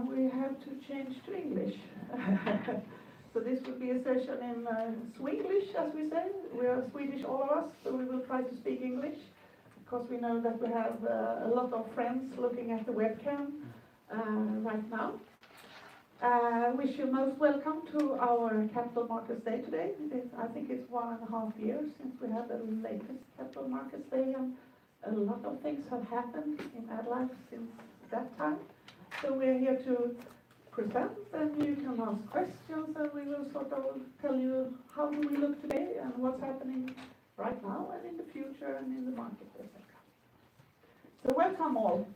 We have to change to English. This will be a session in Swenglish, as we say. We are Swedish, all of us. We will try to speak English because we know that we have a lot of friends looking at the webcam right now. I wish you most welcome to our Capital Markets Day today. I think it is one and a half years since we had the latest Capital Markets Day. A lot of things have happened in AddLife since that time. We are here to present. You can ask questions. We will tell you how we look today and what is happening right now and in the future and in the market that is to come. Welcome all.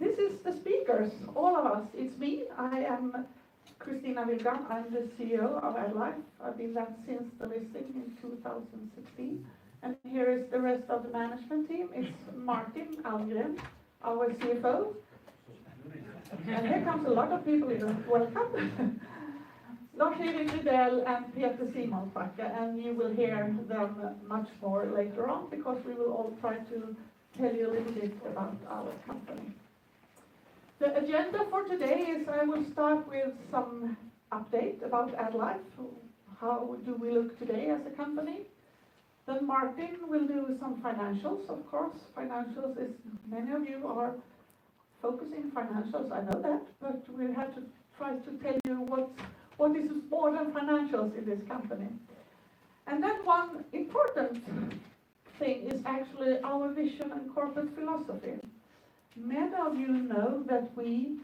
This is the speakers, all of us. It is me. I am Kristina Willgård. I am the CEO of AddLife. I have been that since the listing in 2016. Here is the rest of the management team. It is Martin Almgren, our CFO. Here comes a lot of people in. Welcome. Lars-Erik Rydell and Peter Simonsbacka. You will hear them much more later on, because we will all try to tell you a little bit about our company. The agenda for today is. I will start with some update about AddLife. How do we look today as a company? Martin will do some financials, of course. Many of you are focusing financials, I know that. We have to try to tell you what is important financials in this company. One important thing is actually our vision and corporate philosophy. Many of you know that we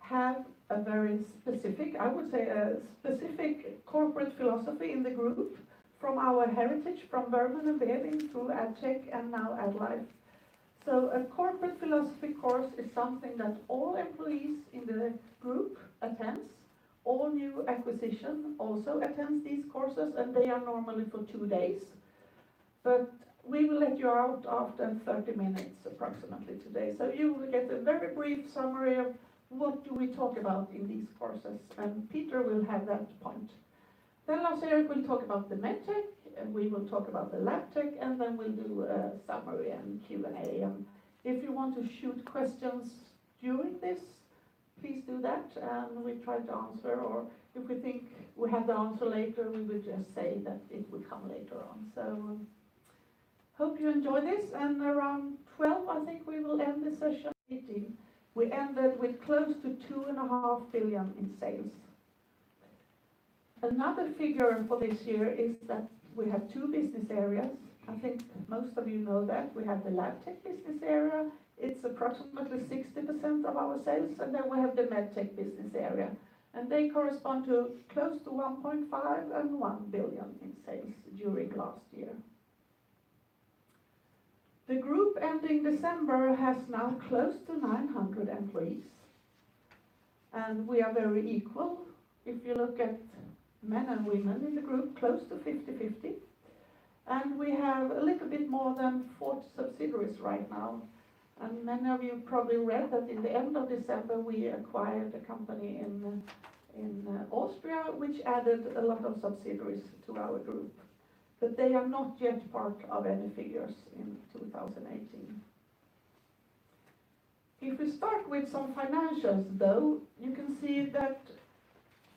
have a very specific, I would say, a specific corporate philosophy in the group from our heritage, from Bergman & Beving through Addtech and now AddLife. A corporate philosophy course is something that all employees in the group attend. All new acquisitions also attend these courses. They are normally for two days. We will let you out after 30 minutes approximately today. You will get a very brief summary of what do we talk about in these courses. Peter will have that point. Lars-Erik will talk about the Medtech. We will talk about the Labtech. We will do a summary and Q&A. If you want to shoot questions during this, please do that. We will try to answer. If we think we have the answer later, we will just say that it will come later on. Hope you enjoy this. Around 12:00 P.M., I think we will end the session. We ended with close to 2.5 billion in sales. Another figure for this year is that we have two business areas. I think most of you know that we have the Labtech business area. It is approximately 60% of our sales. We have the Medtech business area. They correspond to close to 1.5 billion and 1 billion in sales during last year. The group ending December has now close to 900 employees. We are very equal. If you look at men and women in the group, close to 50/50. We have a little bit more than 40 subsidiaries right now. Many of you probably read that in the end of December, we acquired a company in Austria, which added a lot of subsidiaries to our group. They are not yet part of any figures in 2018. If we start with some financials, though, you can see that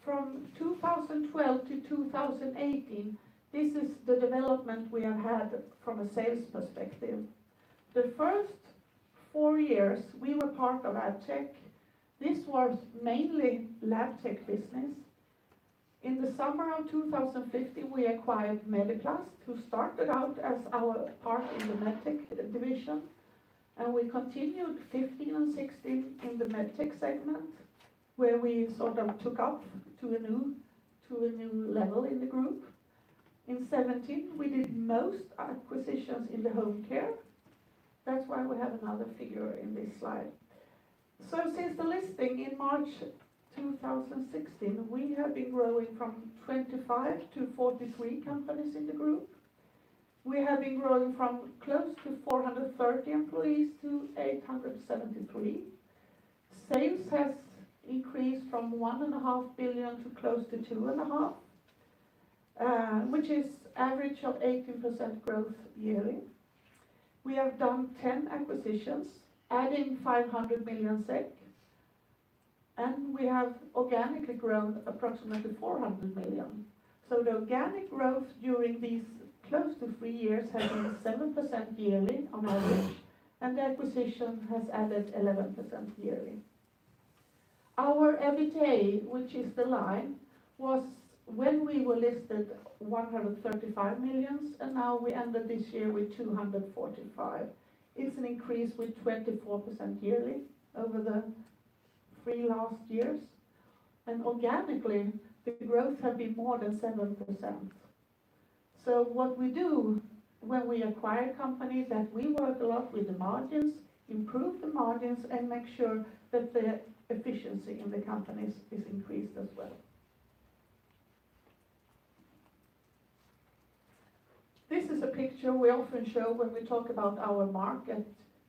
from 2012 to 2018, this is the development we have had from a sales perspective. The first four years, we were part of Addtech. This was mainly Labtech business. In the summer of 2015, we acquired Mediplast, who started out as our part in the Medtech division. We continued 2015 and 2016 in the Medtech segment, where we took off to a new level in the group. In 2017, we did most acquisitions in the home care. That's why we have another figure in this slide. Since the listing in March 2016, we have been growing from 25 to 43 companies in the group. We have been growing from close to 430 employees to 873. Sales has increased from 1.5 billion to close to 2.5 billion, which is average of 18% growth yearly. We have done 10 acquisitions, adding 500 million SEK, we have organically grown approximately 400 million. The organic growth during these close to three years has been 7% yearly on average, the acquisition has added 11% yearly. Our EBITA, which is the line, was when we were listed, 135 million, now we ended this year with 245 million. It's an increase with 24% yearly over the three last years. Organically, the growth has been more than 7%. What we do when we acquire companies that we work a lot with the margins, improve the margins, and make sure that the efficiency in the companies is increased as well. This is a picture we often show when we talk about our market.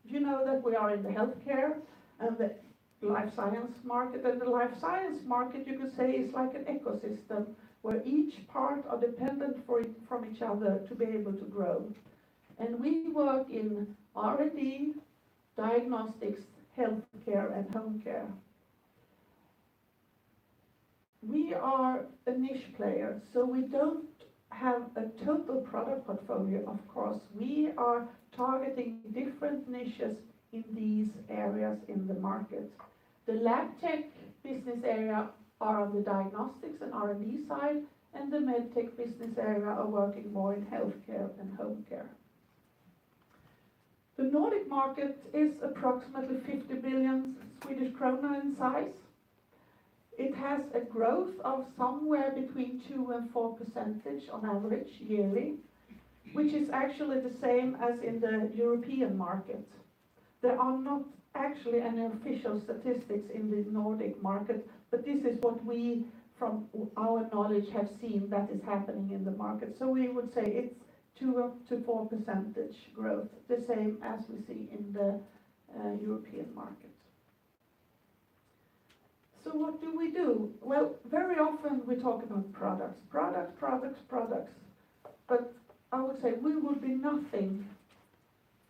Do you know that we are in the healthcare and the life science market? The life science market, you could say, is like an ecosystem where each part are dependent from each other to be able to grow. We work in R&D, diagnostics, healthcare, and home care. We are a niche player, so we don't have a total product portfolio, of course. We are targeting different niches in these areas in the market. The Labtech business area are on the diagnostics and R&D side, the Medtech business area are working more in healthcare and home care. The Nordic market is approximately 50 billion Swedish krona in size. It has a growth of somewhere between 2% and 4% on average yearly, which is actually the same as in the European market. There are not actually any official statistics in the Nordic market, but this is what we, from our knowledge, have seen that is happening in the market. We would say it's 2% up to 4% growth, the same as we see in the European market. What do we do? Well, very often we talk about products. Products. I would say we would be nothing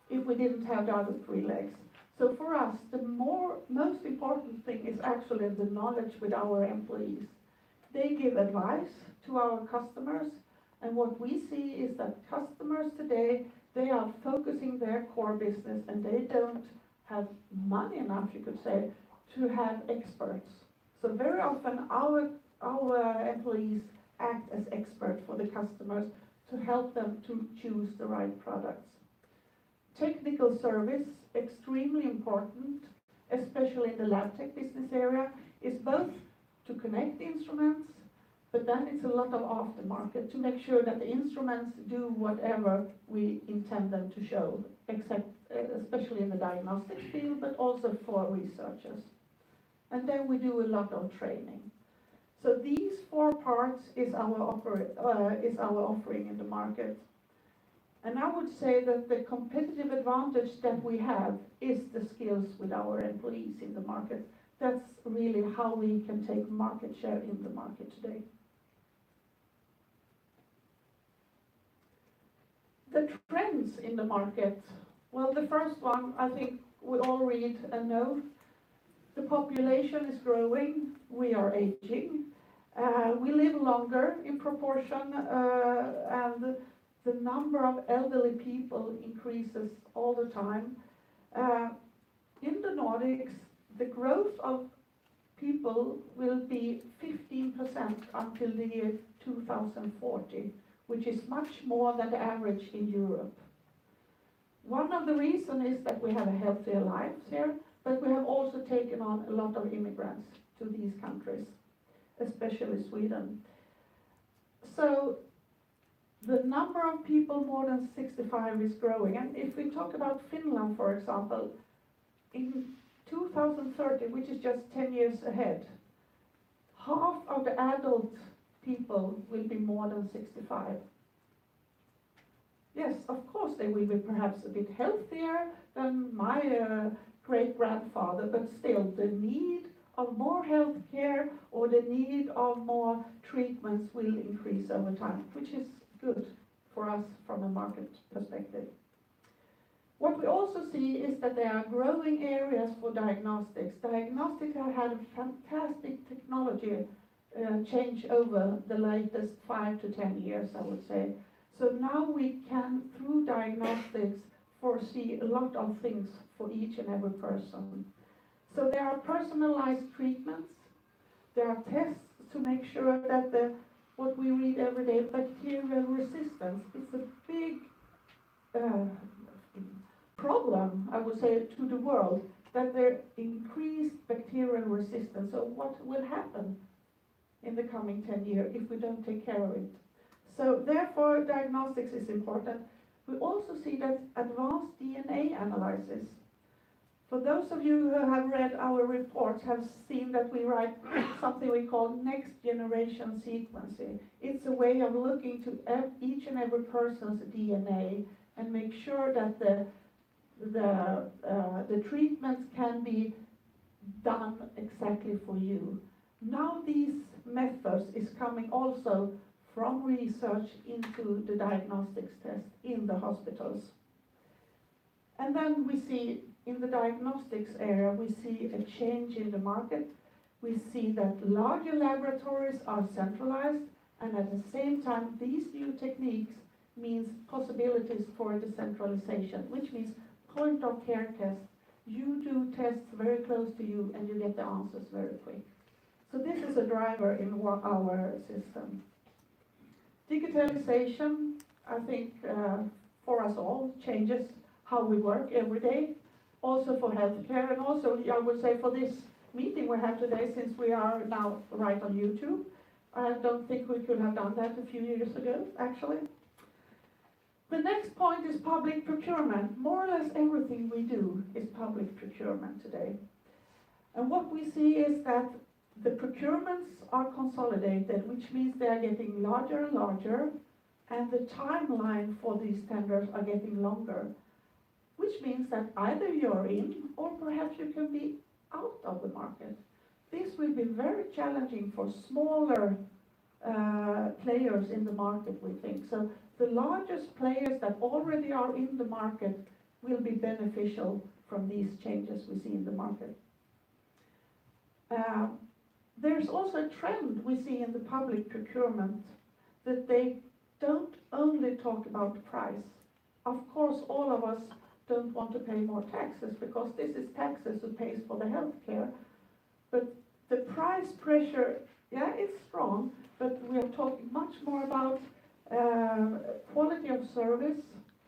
if we didn't have the other three legs. For us, the most important thing is actually the knowledge with our employees. They give advice to our customers, and what we see is that customers today, they are focusing their core business, and they don't have money enough, you could say, to have experts. Very often, our employees act as expert for the customers to help them to choose the right products. Technical service, extremely important, especially in the Labtech business area, is both to connect the instruments, but then it's a lot of aftermarket to make sure that the instruments do whatever we intend them to show, especially in the diagnostics field, but also for researchers. Then we do a lot of training. These four parts is our offering in the market. I would say that the competitive advantage that we have is the skills with our employees in the market. That's really how we can take market share in the market today. The trends in the market. Well, the first one I think we all read and know, the population is growing. We are aging. We live longer in proportion, and the number of elderly people increases all the time. In the Nordics, the growth of people will be 15% until the year 2040, which is much more than the average in Europe. One of the reason is that we have healthier lives here, but we have also taken on a lot of immigrants to these countries, especially Sweden. The number of people more than 65 is growing. If we talk about Finland, for example, in 2030, which is just 10 years ahead, half of the adult people will be more than 65. Yes, of course, they will be perhaps a bit healthier than my great-grandfather, but still, the need of more healthcare or the need of more treatments will increase over time, which is good for us from a market perspective. What we also see is that there are growing areas for diagnostics. Diagnostics have had a fantastic technology change over the latest seven to 10 years, I would say. Now we can, through diagnostics, foresee a lot of things for each and every person. There are personalized treatments. There are tests to make sure that what we read every day, bacterial resistance, is a big problem, I would say, to the world, that the increased bacterial resistance. What will happen in the coming 10 year if we don't take care of it? Therefore, diagnostics is important. We also see that advanced DNA analysis, for those of you who have read our report, have seen that we write something we call next-generation sequencing. It's a way of looking to each and every person's DNA and make sure that the treatments can be done exactly for you. Now, these methods is coming also from research into the diagnostics test in the hospitals. Then we see in the diagnostics area, we see a change in the market. We see that larger laboratories are centralized, and at the same time, these new techniques means possibilities for decentralization, which means point-of-care tests. You do tests very close to you, and you get the answers very quick. This is a driver in our system. Digitalization, I think, for us all, changes how we work every day, also for healthcare and also, I would say, for this meeting we have today, since we are now live on YouTube. I don't think we could have done that a few years ago, actually. The next point is public procurement. More or less everything we do is public procurement today. What we see is that the procurements are consolidated, which means they are getting larger and larger, and the timeline for these tenders are getting longer, which means that either you're in or perhaps you can be out of the market. This will be very challenging for smaller players in the market, we think. The largest players that already are in the market will be beneficial from these changes we see in the market. A trend we see in the public procurement that they don't only talk about price. Of course, all of us don't want to pay more taxes because this is taxes that pays for the healthcare. The price pressure, it's strong, but we are talking much more about quality of service,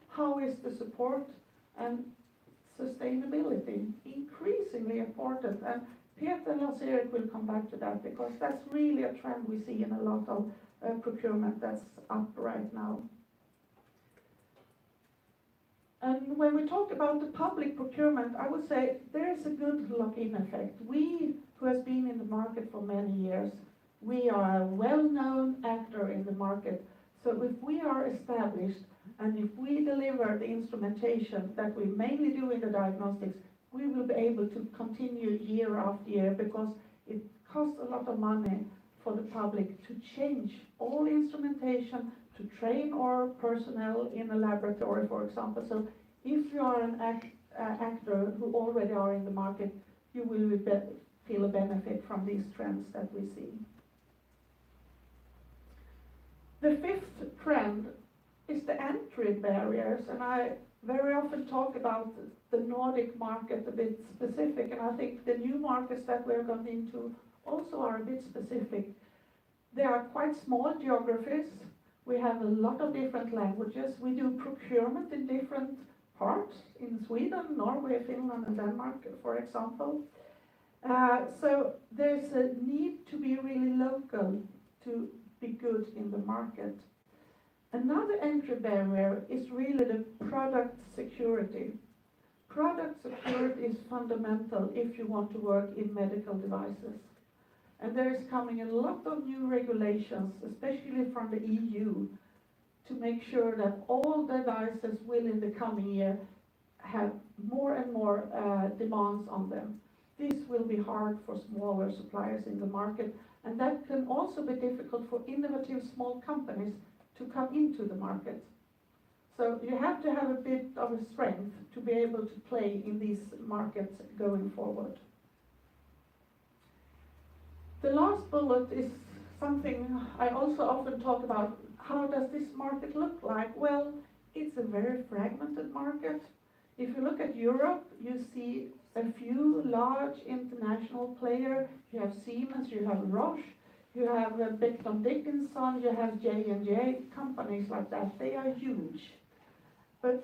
how is the support, and sustainability, increasingly important. Peter and Lars-Erik will come back to that because that's really a trend we see in a lot of procurement that's up right now. When we talk about the public procurement, I would say there is a good lock-in effect. We who has been in the market for many years, we are a well-known actor in the market. If we are established and if we deliver the instrumentation that we mainly do in the diagnostics, we will be able to continue year after year because it costs a lot of money for the public to change all the instrumentation, to train our personnel in a laboratory, for example. If you are an actor who already are in the market, you will feel a benefit from these trends that we see. The fifth trend is the entry barriers, I very often talk about the Nordic market a bit specific, and I think the new markets that we're going into also are a bit specific. They are quite small geographies. We have a lot of different languages. We do procurement in different parts in Sweden, Norway, Finland, and Denmark, for example. There's a need to be really local to be good in the market. Another entry barrier is really the product security. Product security is fundamental if you want to work in medical devices. There is coming a lot of new regulations, especially from the EU, to make sure that all devices will, in the coming year, have more and more demands on them. This will be hard for smaller suppliers in the market, and that can also be difficult for innovative small companies to come into the market. You have to have a bit of a strength to be able to play in these markets going forward. The last bullet is something I also often talk about, how does this market look like? It's a very fragmented market. If you look at Europe, you see a few large international players. You have Siemens, you have Roche, you have Becton Dickinson, you have J&J, companies like that. They are huge. Of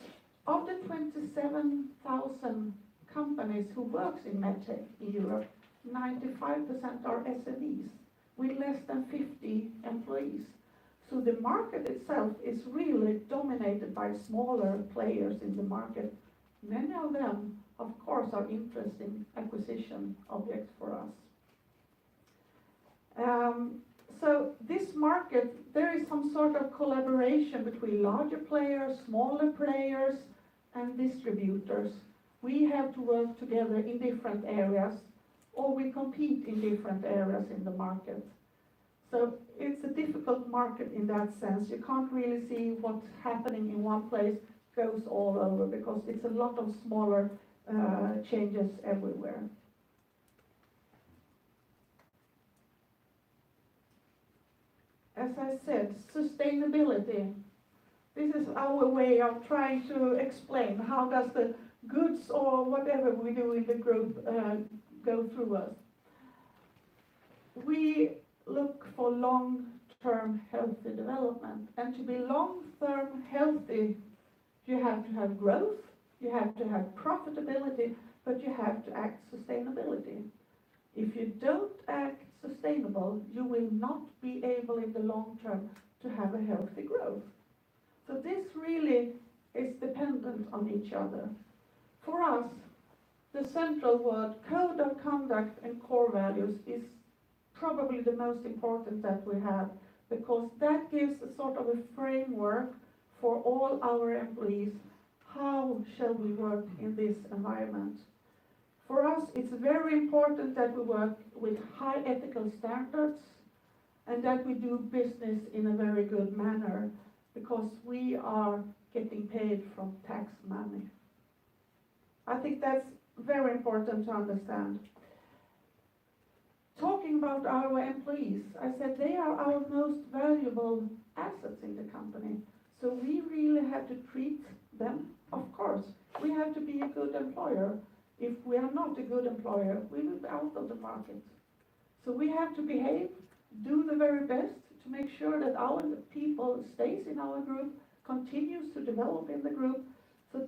the 27,000 companies who works in MedTech in Europe, 95% are SMEs with less than 50 employees. The market itself is really dominated by smaller players in the market. Many of them, of course, are interesting acquisition objects for us. This market, there is some sort of collaboration between larger players, smaller players, and distributors. We have to work together in different areas, or we compete in different areas in the market. It's a difficult market in that sense. You can't really see what's happening in one place goes all over because it's a lot of smaller changes everywhere. As I said, sustainability. This is our way of trying to explain how does the goods or whatever we do in the group go through us. We look for long-term healthy development. To be long-term healthy, you have to have growth, you have to have profitability, but you have to act sustainably. If you don't act sustainable, you will not be able, in the long term, to have a healthy growth. This really is dependent on each other. For us, the central word, code of conduct and core values, is probably the most important that we have because that gives a sort of a framework for all our employees, how shall we work in this environment. For us, it's very important that we work with high ethical standards and that we do business in a very good manner because we are getting paid from tax money. I think that's very important to understand. Talking about our employees, I said they are our most valuable assets in the company, we really have to treat them. Of course, we have to be a good employer. If we are not a good employer, we will be out of the market. We have to behave, do the very best to make sure that our people stays in our group, continues to develop in the group.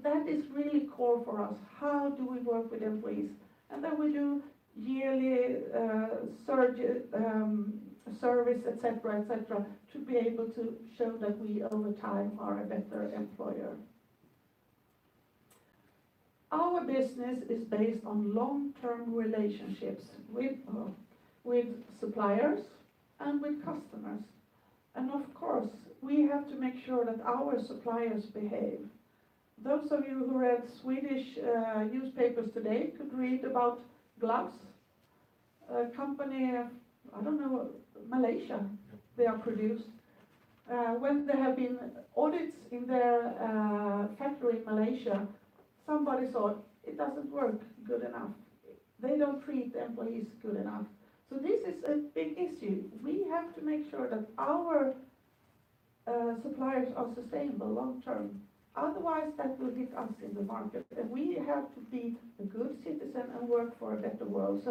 That is really core for us, how do we work with employees. Then we do yearly surveys, et cetera, et cetera, to be able to show that we over time are a better employer. Our business is based on long-term relationships with suppliers and with customers. Of course, we have to make sure that our suppliers behave. Those of you who read Swedish newspapers today could read about Top Glove, a company, I don't know, Malaysia, they are produced. When there have been audits in their factory in Malaysia, somebody thought, "It doesn't work good enough. They don't treat the employees good enough." This is a big issue. We have to make sure that our suppliers are sustainable long-term, otherwise that will hit us in the market. We have to be a good citizen and work for a better world.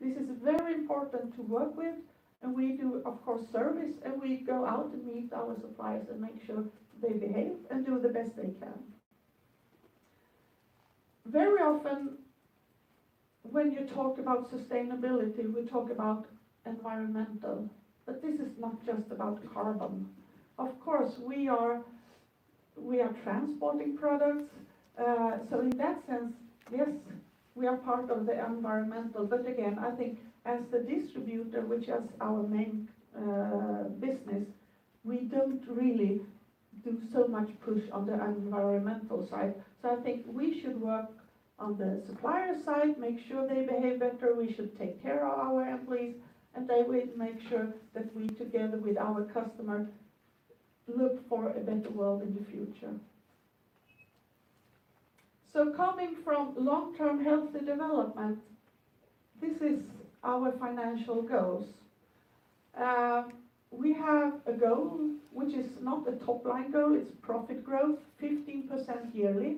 This is very important to work with, and we do, of course, service, and we go out and meet our suppliers and make sure they behave and do the best they can. Very often, when you talk about sustainability, we talk about environmental, this is not just about carbon. Of course, we are transporting products. In that sense, yes, we are part of the environmental. Again, I think as the distributor, which is our main business, we don't really do so much push on the environmental side. I think we should work on the supplier side, make sure they behave better, we should take care of our employees, and that we make sure that we, together with our customer, look for a better world in the future. Coming from long-term healthy development, this is our financial goals. We have a goal, which is not a top-line goal, it's profit growth 15% yearly.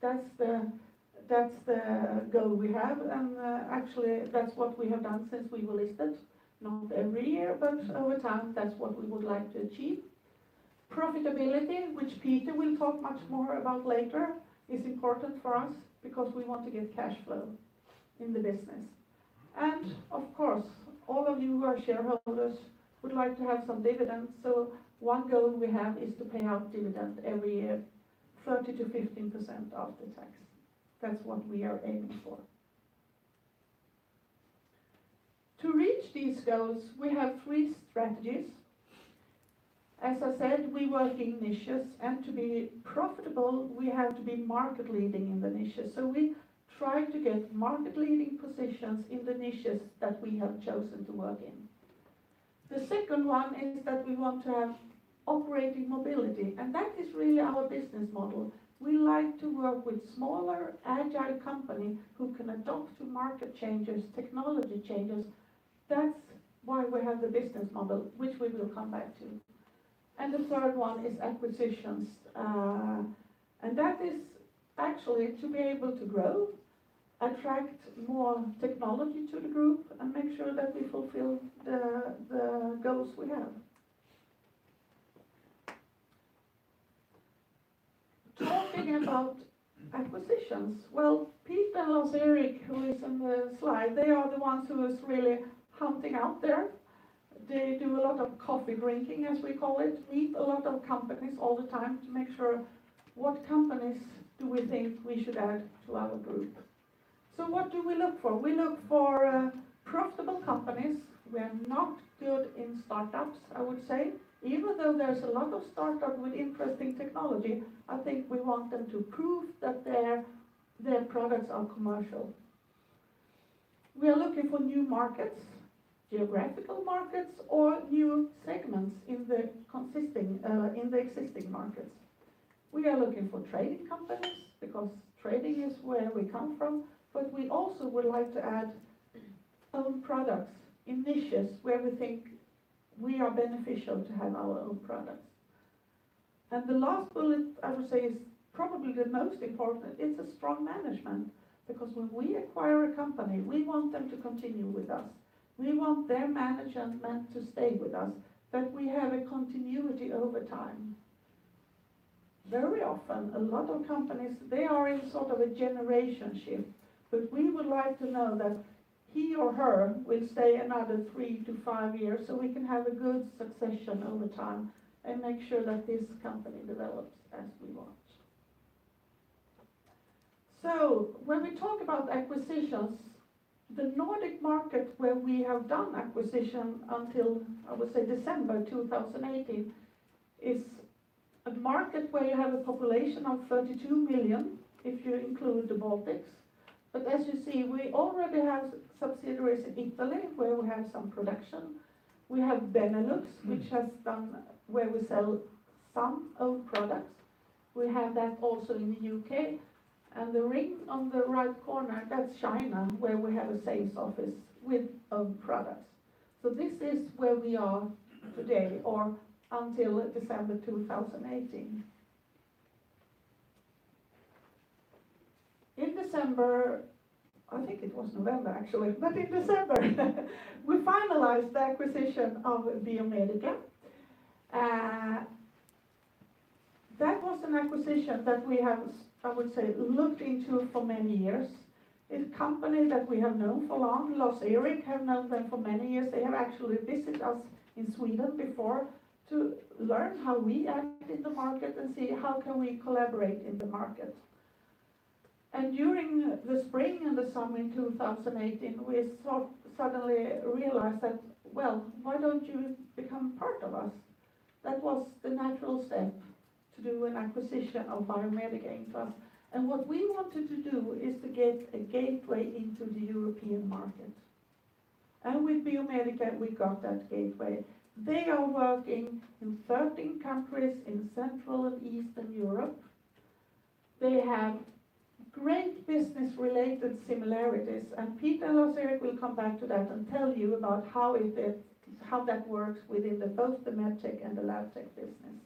That's the goal we have. Actually, that's what we have done since we were listed. Not every year, but over time, that's what we would like to achieve. Profitability, which Peter will talk much more about later, is important for us because we want to get cash flow in the business. Of course, all of you who are shareholders would like to have some dividends. One goal we have is to pay out dividends every year, 30%-50% of the tax. That's what we are aiming for. To reach these goals, we have three strategies. As I said, we work in niches, to be profitable, we have to be market leading in the niches. We try to get market leading positions in the niches that we have chosen to work in. The second one is that we want to have operating profitability, and that is really our business model. We like to work with smaller, agile company who can adopt to market changes, technology changes. That's why we have the business model, which we will come back to. The third one is acquisitions. That is actually to be able to grow, attract more technology to the group, and make sure that we fulfill the goals we have. Talking about acquisitions, well, Peter and Lars-Erik, who is in the slide, they are the ones who is really hunting out there. They do a lot of coffee drinking, as we call it, meet a lot of companies all the time to make sure what companies do we think we should add to our group. What do we look for? We look for profitable companies. We're not good in startups, I would say. Even though there's a lot of startup with interesting technology, I think we want them to prove that their products are commercial. We are looking for new markets, geographical markets, or new segments in the existing markets. We are looking for trading companies because trading is where we come from. We also would like to add own products in niches where we think we are beneficial to have our own products. The last bullet, I would say, is probably the most important, it's a strong management because when we acquire a company, we want them to continue with us. We want their management to stay with us, that we have a continuity over time. Very often, a lot of companies, they are in sort of a generation shift, We would like to know that he or her will stay another 3-5 years so we can have a good succession over time and make sure that this company develops as we want. When we talk about acquisitions, the Nordic market where we have done acquisition until, I would say December 2018, is a market where you have a population of 32 million, if you include the Baltics. As you see, we already have subsidiaries in Italy where we have some production. We have Benelux, where we sell some own products. We have that also in the U.K. The ring on the right corner, that's China, where we have a sales office with own products. This is where we are today, or until December 2018. In December, I think it was November, actually. In December we finalized the acquisition of Biomedica. That was an acquisition that we have, I would say, looked into for many years. It's a company that we have known for long. Lars-Erik have known them for many years. They have actually visited us in Sweden before to learn how we act in the market and see how can we collaborate in the market. During the spring and the summer in 2018, we suddenly realized that, well, why don't you become part of us? That was the natural step to do an acquisition of Biomedica into us. What we wanted to do is to get a gateway into the European market. With Biomedica, we got that gateway. They are working in 13 countries in Central and Eastern Europe. They have great business-related similarities. Peter Husek will come back to that and tell you about how that works within both the Medtech and the Labtech business.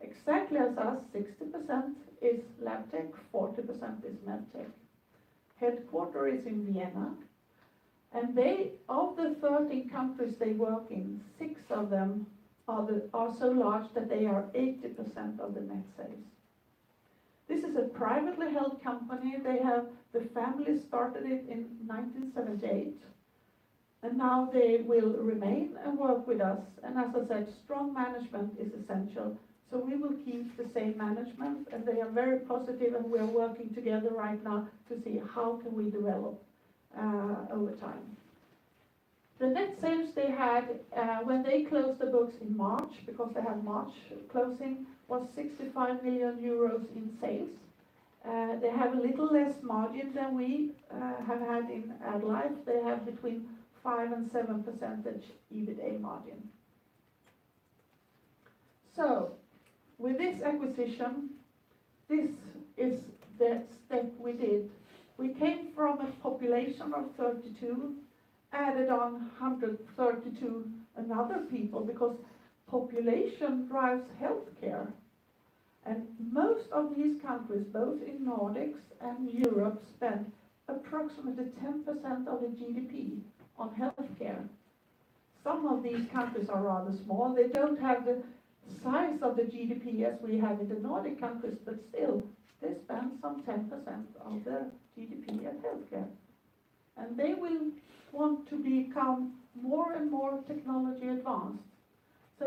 Exactly as us, 60% is Labtech, 40% is Medtech. Headquarter is in Vienna. Of the 13 countries they work in, six of them are so large that they are 80% of the net sales. This is a privately held company. The family started it in 1978. Now they will remain and work with us. As I said, strong management is essential. We will keep the same management. They are very positive, and we are working together right now to see how can we develop over time. The net sales they had when they closed the books in March, because they have March closing, was 65 million euros in sales. They have a little less margin than we have had in AddLife. They have between 5%-7% EBITDA margin. With this acquisition, this is the step we did. We came from a population of 32, added on 132 another people, because population drives healthcare. Most of these countries, both in Nordics and Europe, spend approximately 10% of the GDP on healthcare. Some of these countries are rather small. They don't have the size of the GDP as we have in the Nordic countries, but still, they spend some 10% of their GDP at healthcare. They will want to become more and more technology-advanced.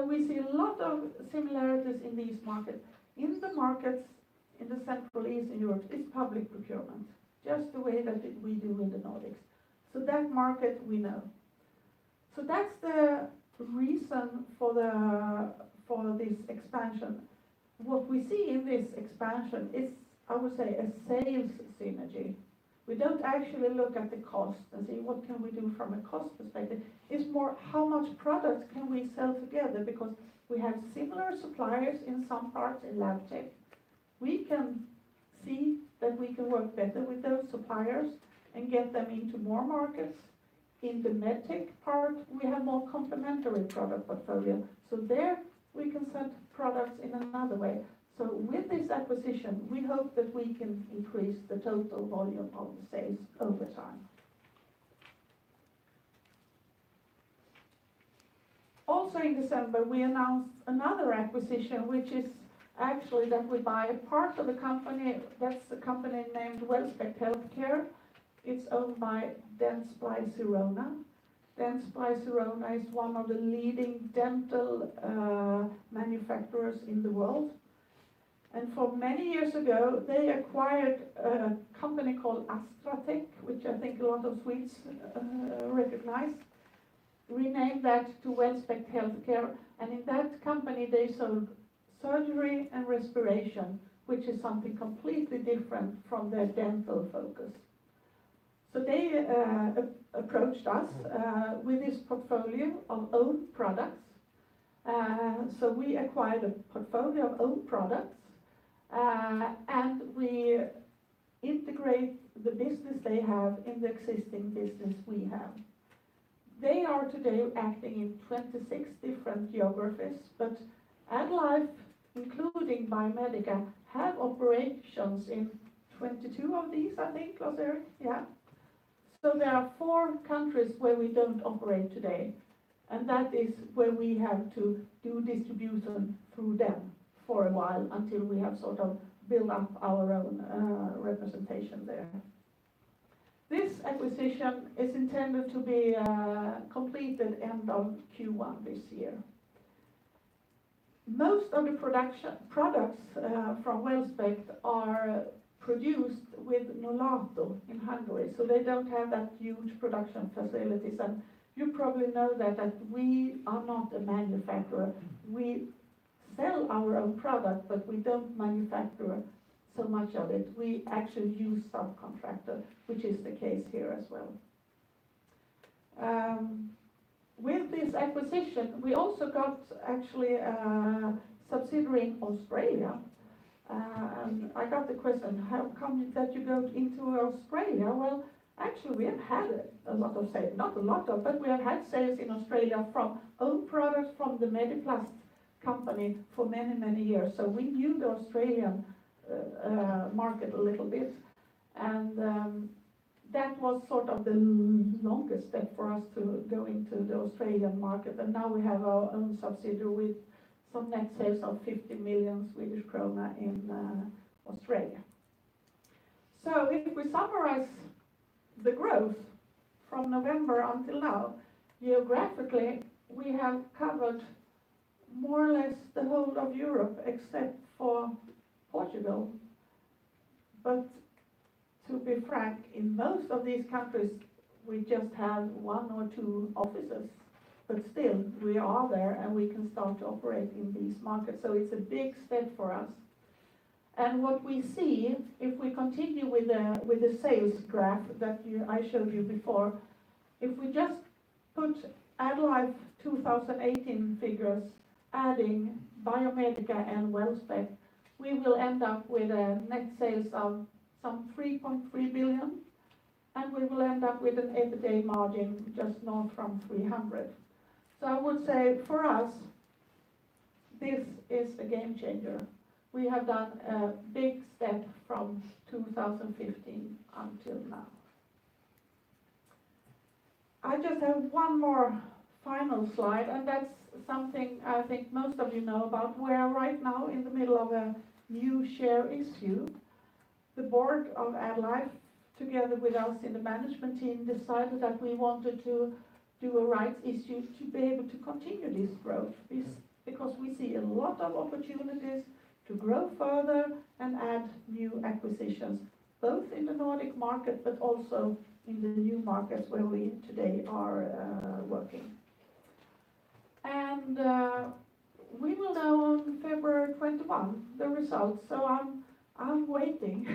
We see a lot of similarities in these markets. In the markets in the Central East in Europe, it's public procurement, just the way that we do in the Nordics. That market, we know. That's the reason for this expansion. What we see in this expansion is, I would say, a sales synergy. We don't actually look at the cost and say, what can we do from a cost perspective? It's more, how much product can we sell together? Because we have similar suppliers in some parts in Labtech. We can see that we can work better with those suppliers and get them into more markets. In the Medtech part, we have more complementary product portfolio. There, we can sell products in another way. With this acquisition, we hope that we can increase the total volume of the sales over time. Also in December, we announced another acquisition, which is actually that we buy a part of the company. That's the company named Wellspect HealthCare. It's owned by Dentsply Sirona. Dentsply Sirona is one of the leading dental manufacturers in the world. For many years ago, they acquired a company called Astra Tech, which I think a lot of Swedes recognize, renamed that to Wellspect HealthCare. In that company, they sell surgery and respiration, which is something completely different from their dental focus. They approached us with this portfolio of own products. We acquired a portfolio of own products, and we integrate the business they have in the existing business we have. They are today acting in 26 different geographies, but AddLife, including Biomedica, have operations in 22 of these, I think, Lars-Erik. Yeah. There are four countries where we don't operate today, and that is where we have to do distribution through them for a while until we have built up our own representation there. This acquisition is intended to be completed end of Q1 this year. Most of the products from Wellspect are produced with Nolato in Hungary, so they don't have that huge production facilities. You probably know that we are not a manufacturer. We sell our own product, but we don't manufacture so much of it. We actually use subcontractor, which is the case here as well. With this acquisition, we also got, actually, a subsidiary in Australia. I got the question, how come that you got into Australia? Well, actually, we have had a lot of sales. Not a lot of, but we have had sales in Australia from own products from the Mediplast company for many, many years. We knew the Australian market a little bit, and that was the longest step for us to go into the Australian market. Now we have our own subsidiary with some net sales of 50 million Swedish krona in Australia. If we summarize the growth from November until now, geographically, we have covered More or less the whole of Europe, except for Portugal. To be frank, in most of these countries, we just have one or two offices, but still we are there and we can start to operate in these markets. It's a big step for us. What we see, if we continue with the sales graph that I showed you before, if we just put AddLife 2018 figures, adding Biomedica and Wellspect, we will end up with a net sales of some 3.3 billion, and we will end up with an EBITDA margin just north from 300 million. I would say for us, this is a game changer. We have done a big step from 2015 until now. I just have one more final slide, and that's something I think most of you know about. We are right now in the middle of a new share issue. The board of AddLife, together with us in the management team, decided that we wanted to do a rights issue to be able to continue this growth, because we see a lot of opportunities to grow further and add new acquisitions, both in the Nordic market, but also in the new markets where we today are working. We will know on February 21st the results. I'm waiting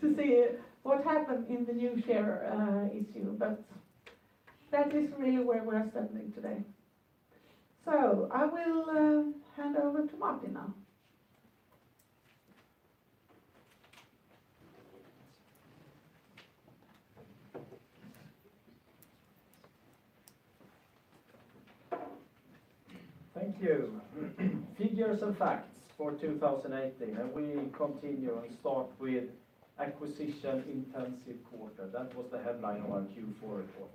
to see what happens in the new share issue, but that is really where we're standing today. I will hand over to Martin now. Thank you. Figures and facts for 2018. We continue and start with acquisition-intensive quarter. That was the headline of our Q4 report.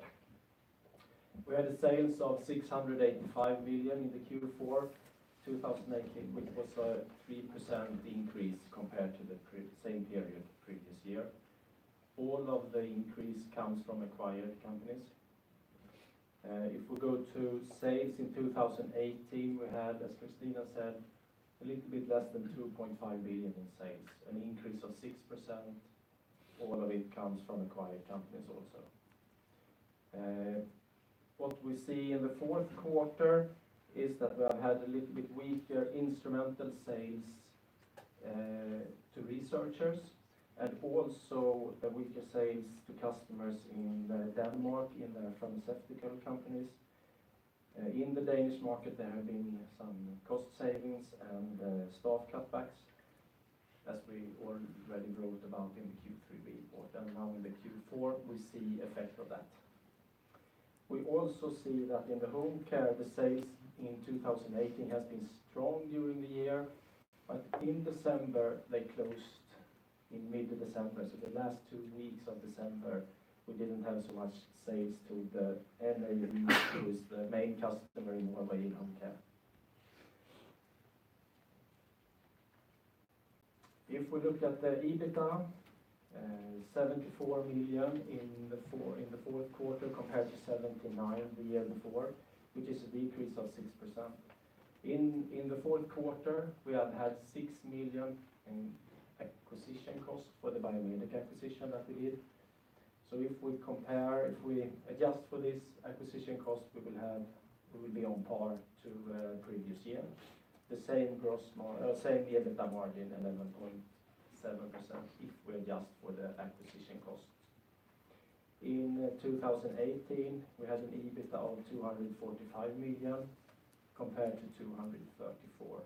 We had sales of 685 million in the Q4 2018, which was a 3% increase compared to the same period previous year. All of the increase comes from acquired companies. If we go to sales in 2018, we had, as Kristina said, a little bit less than 2.5 billion in sales, an increase of 6%. All of it comes from acquired companies also. What we see in the fourth quarter is that we have had a little bit weaker instrumental sales to researchers and also weaker sales to customers in Denmark, in the pharmaceutical companies. In the Danish market, there have been some cost savings and staff cutbacks, as we already wrote about in the Q3 report. Now in the Q4, we see effect of that. We also see that in the home care, the sales in 2018 has been strong during the year, but in December, they closed in mid-December. The last two weeks of December, we didn't have so much sales to the NAV, who is the main customer in Norway in home care. If we look at the EBITDA, 74 million in the fourth quarter compared to 79 million the year before, which is a decrease of 6%. In the fourth quarter, we have had 6 million in acquisition cost for the Biomedica acquisition that we did. If we adjust for this acquisition cost, we will be on par to previous year. The same EBITA margin, 11.7%, if we adjust for the acquisition costs. In 2018, we had an EBITDA of 245 million compared to 234 million,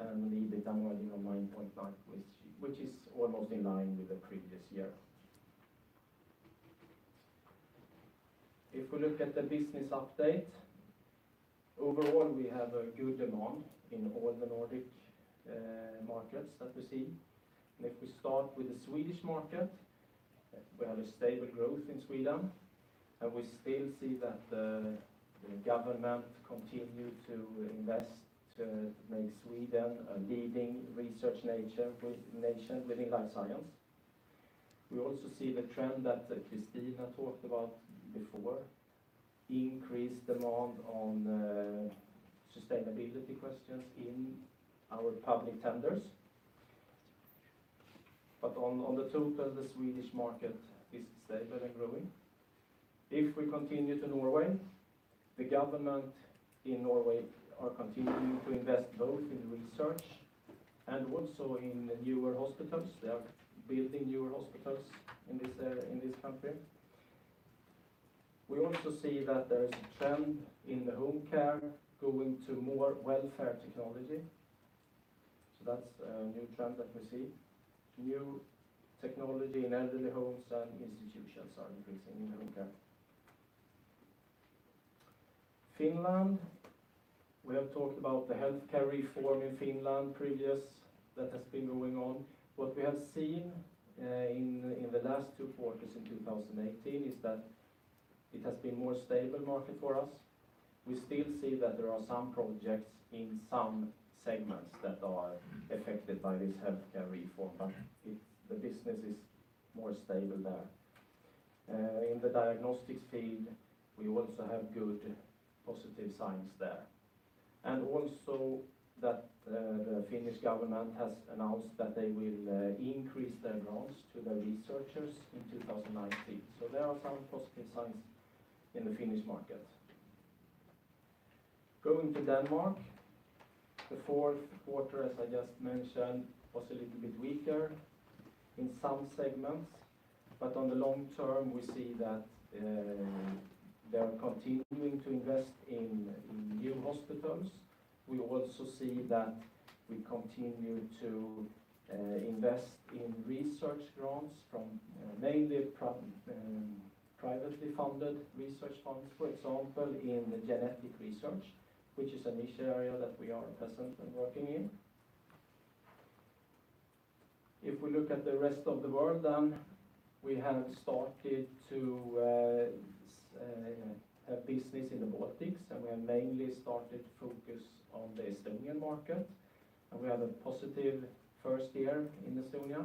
and an EBITDA margin of 9.9%, which is almost in line with the previous year. If we look at the business update, overall, we have a good demand in all the Nordic markets that we see. If we start with the Swedish market, we have a stable growth in Sweden, and we still see that the government continue to invest to make Sweden a leading research nation within life science. We also see the trend that Kristina talked about before, increased demand on sustainability questions in our public tenders. On the total, the Swedish market is stable and growing. If we continue to Norway, the government in Norway are continuing to invest both in research and also in newer hospitals. They are building newer hospitals in this country. We also see that there is a trend in the home care going to more welfare technology. That's a new trend that we see. New technology in elderly homes and institutions are increasing in home care. Finland, we have talked about the healthcare reform in Finland previous that has been going on. What we have seen in the last two quarters in 2018 is that it has been more stable market for us. We still see that there are some projects in some segments that are affected by this healthcare reform, but the business is more stable there. In the diagnostics field, we also have good positive signs there. Also, the Finnish government has announced that they will increase their grants to their researchers in 2019. There are some positive signs in the Finnish market. Going to Denmark, the fourth quarter, as I just mentioned, was a little bit weaker in some segments, but on the long-term, we see that they're continuing to invest in new hospitals. We also see that we continue to invest in research grants from mainly privately funded research funds, for example, in the genetic research, which is a niche area that we are present and working in. If we look at the rest of the world, we have started to have business in the Baltics, and we have mainly started to focus on the Estonian market, and we had a positive first year in Estonia.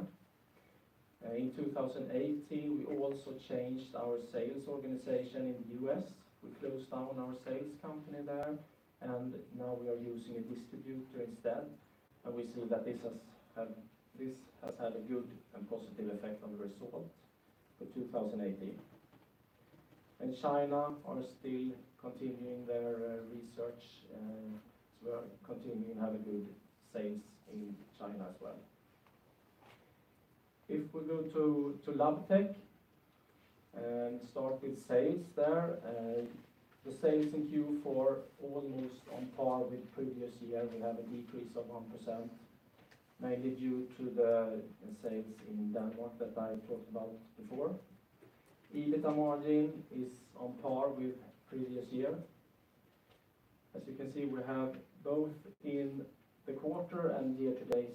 In 2018, we also changed our sales organization in the U.S. We closed down our sales company there, and now we are using a distributor instead, and we see that this has had a good and positive effect on the result for 2018. In China, are still continuing their research, we are continuing to have good sales in China as well. If we go to Labtech and start with sales there, the sales in Q4 were almost on par with the previous year. We have a decrease of 1%, mainly due to the sales in Denmark that I talked about before. EBITA margin is on par with the previous year. As you can see, we have both in the quarter and year-to-date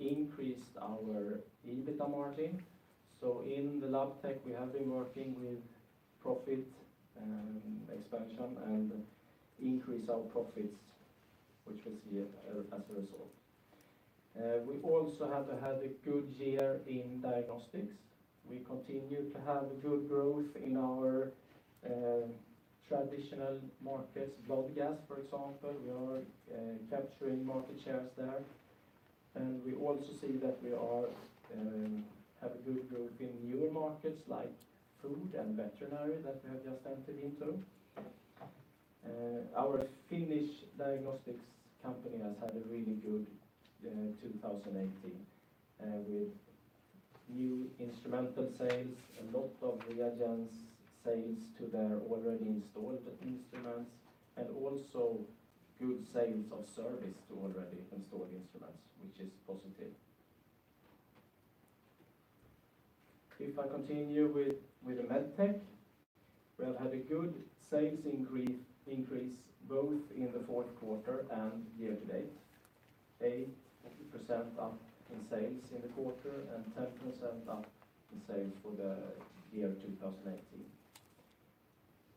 increased our EBITA margin. In Labtech, we have been working with profit expansion and increase our profits, which we see as a result. We also have had a good year in diagnostics. We continue to have good growth in our traditional markets, blood gas, for example. We are capturing market shares there, and we also see that we have good growth in newer markets like food and veterinary that we have just entered into. Our Finnish diagnostics company has had a really good 2018 with new instrumental sales, a lot of reagents sales to their already installed instruments, and also good sales of service to already installed instruments, which is positive. If I continue with the Medtech, we have had a good sales increase both in the fourth quarter and year-to-date. 8% up in sales in the quarter and 10% up in sales for the year 2018.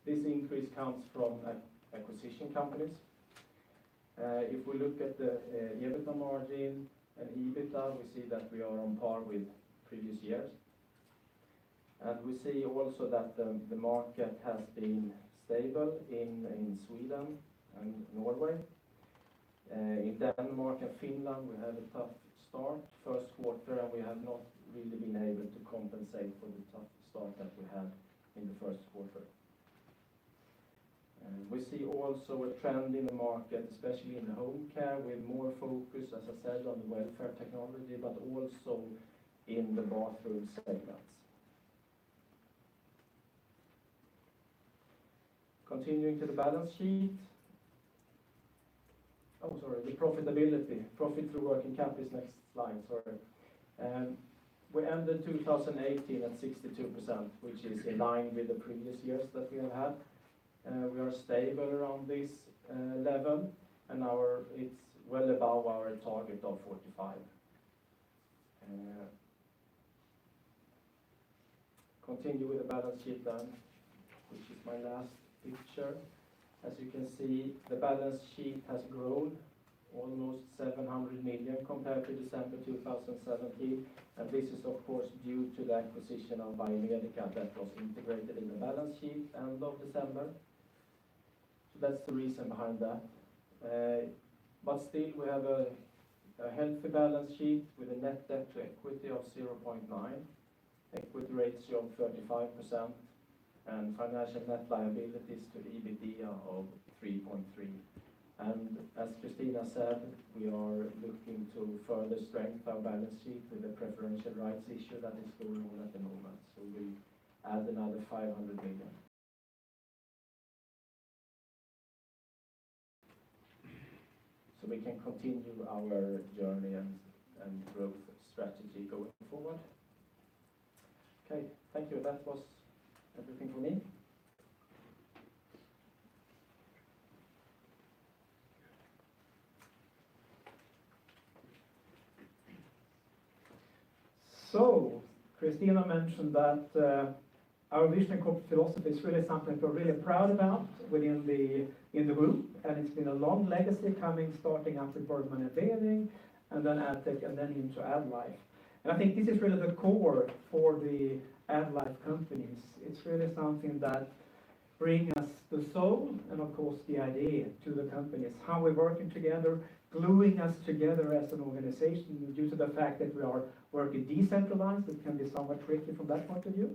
This increase comes from acquisition companies. If we look at the EBITA margin and EBITA, we see that we are on par with previous years. We see also that the market has been stable in Sweden and Norway. In Denmark and Finland, we had a tough start first quarter, and we have not really been able to compensate for the tough start that we had in the first quarter. We see also a trend in the market, especially in home care, with more focus, as I said, on the welfare technology, but also in the bathroom segments. Continuing to the balance sheet. Oh, sorry, the profitability. Profit through working capital is next slide, sorry. We ended 2018 at 62%, which is in line with the previous years that we have had. We are stable around this level, and it's well above our target of 45%. Continue with the balance sheet then, which is my last picture. As you can see, the balance sheet has grown almost 700 million compared to December 2017, this is, of course, due to the acquisition of Biomedica that was integrated in the balance sheet end of December. That's the reason behind that. Still, we have a healthy balance sheet with a net debt to equity of 0.9, equity ratio of 35%, and financial net liabilities to the EBITDA of 3.3. As Kristina said, we are looking to further strengthen our balance sheet with the preferential rights issue that is going on at the moment. We add another SEK 500 million. We can continue our journey and growth strategy going forward. Okay, thank you. That was everything from me. Kristina mentioned that. Our vision and core philosophy is really something we're really proud about within the group, it's been a long legacy coming, starting after Bergman & Beving, then Addtech, then into AddLife. I think this is really the core for the AddLife companies. It's really something that bring us the soul and, of course, the idea to the companies, how we're working together, gluing us together as an organization due to the fact that we are working decentralized. It can be somewhat tricky from that point of view.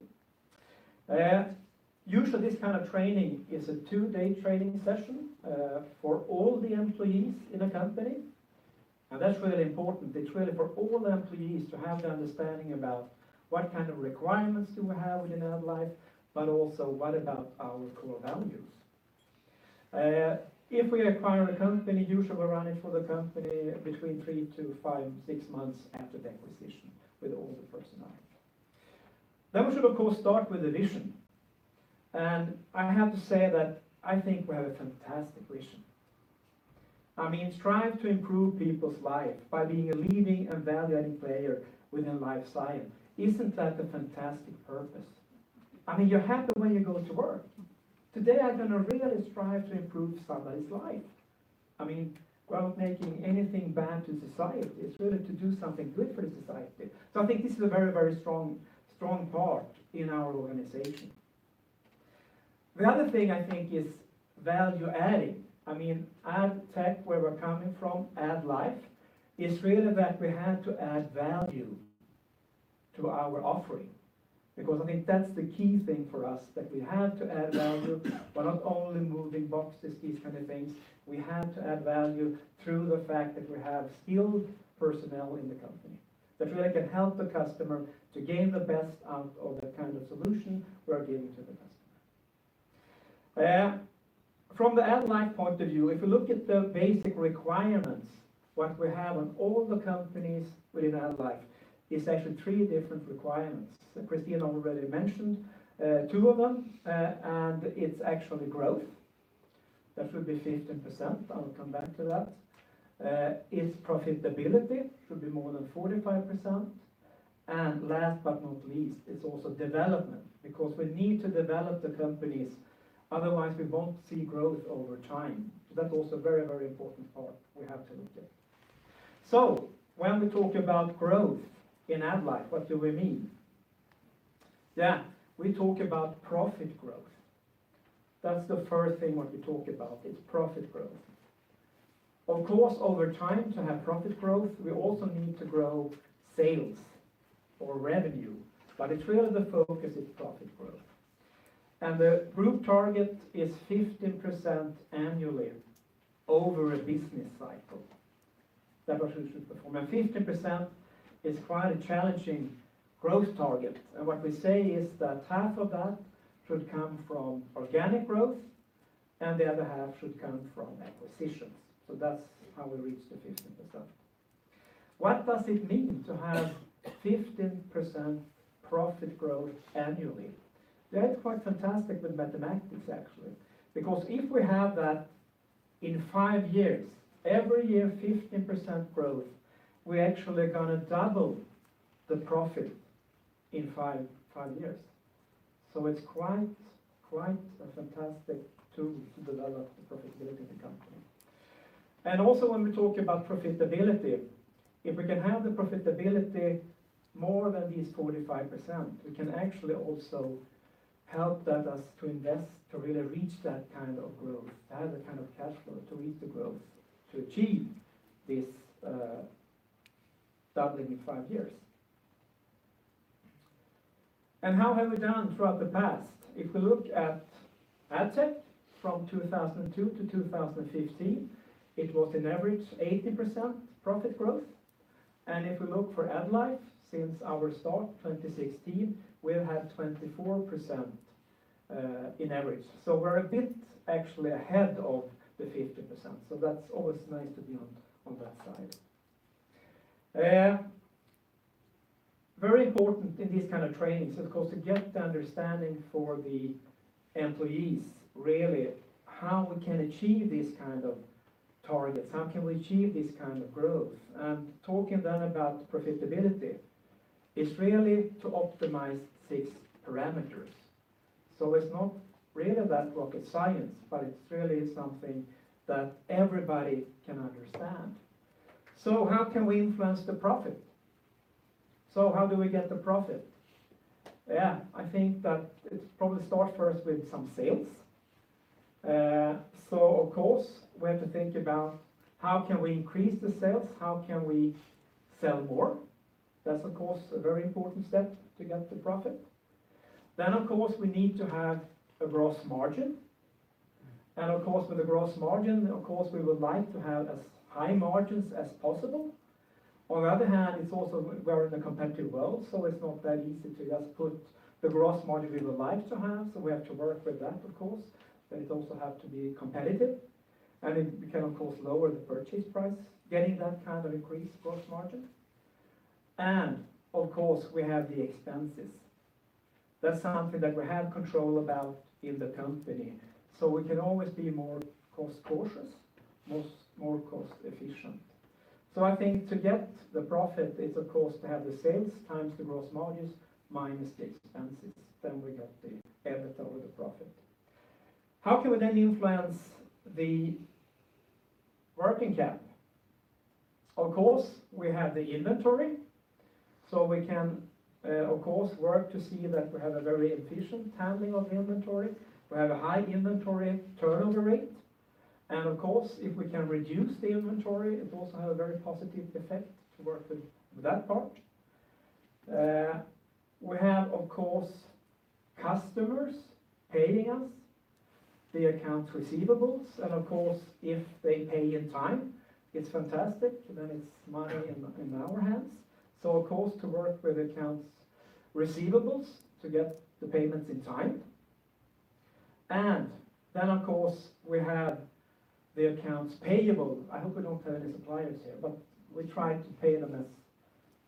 Usually, this kind of training is a two-day training session, for all the employees in a company, that's really important. It's really for all the employees to have the understanding about what kind of requirements do we have within AddLife, but also what about our core values? If we acquire a company, usually we run it for the company between three to five, six months after the acquisition with all the personnel. We should, of course, start with the vision. I have to say that I think we have a fantastic vision. Strive to improve people's life by being a leading and value-adding player within life science. Isn't that a fantastic purpose? You're happy when you go to work. Today, I'm going to really strive to improve somebody's life. Without making anything bad to society, it's really to do something good for the society. I think this is a very strong part in our organization. The other thing I think is value-adding. Addtech, where we're coming from, AddLife, is really that we have to add value to our offering because I think that's the key thing for us, that we have to add value by not only moving boxes, these kind of things. We have to add value through the fact that we have skilled personnel in the company that really can help the customer to gain the best out of the kind of solution we are giving to the customer. From the AddLife point of view, if you look at the basic requirements, what we have on all the companies within AddLife is actually three different requirements. Kristina already mentioned two of them, it's actually growth. That should be 15%. I will come back to that. It's profitability. Should be more than 45%. Last but not least, it's also development, because we need to develop the companies, otherwise we won't see growth over time. That's also a very important part we have to look at. When we talk about growth in AddLife, what do we mean? We talk about profit growth. That's the first thing what we talk about, is profit growth. Of course, over time, to have profit growth, we also need to grow sales or revenue, but really the focus is profit growth. The group target is 15% annually over a business cycle that we should perform, and 15% is quite a challenging growth target. What we say is that half of that should come from organic growth, and the other half should come from acquisitions. That's how we reach the 15%. What does it mean to have 15% profit growth annually? That's quite fantastic with mathematics, actually. If we have that in five years, every year 15% growth, we're actually going to double the profit in five years. It's quite fantastic to develop the profitability in the company. When we talk about profitability, if we can have the profitability more than these 45%, we can actually also help that us to invest to really reach that kind of growth. Have the kind of cash flow to reach the growth to achieve this doubling in five years. How have we done throughout the past? If we look at Addtech from 2002 to 2015, it was an average 18% profit growth. If we look for AddLife since our start, 2016, we've had 24% in average. We're a bit actually ahead of the 15%, that's always nice to be on that side. Very important in these kind of trainings, of course, to get the understanding for the employees, really how we can achieve this kind of targets, how can we achieve this kind of growth. Talking then about profitability, it's really to optimize six parameters. It's not really that rocket science, but it really is something that everybody can understand. How can we influence the profit? How do we get the profit? I think that it probably starts first with some sales. Of course, we have to think about how can we increase the sales? How can we sell more? That's, of course, a very important step to get the profit. Of course, we need to have a gross margin. With the gross margin, we would like to have as high margins as possible. On the other hand, we're in a competitive world, it's not that easy to just put the gross margin we would like to have. We have to work with that, of course. It also have to be competitive, and we can, of course, lower the purchase price, getting that kind of increased gross margin. We have the expenses. That's something that we have control about in the company. We can always be more cost-cautious, more cost-efficient. I think to get the profit, it's, of course, to have the sales times the gross margins minus the expenses. We get the EBITDA or the profit. How can we influence the working cap? Of course, we have the inventory, we can, of course, work to see that we have a very efficient handling of inventory. We have a high inventory turnover rate. Of course, if we can reduce the inventory, it also has a very positive effect to work with that part. We have, of course, customers paying us the accounts receivables. Of course, if they pay in time, it's fantastic. Then it's money in our hands. So of course, to work with accounts receivables to get the payments in time. Then, of course, we have the accounts payable. I hope we don't hurt the suppliers here, but we try to pay them as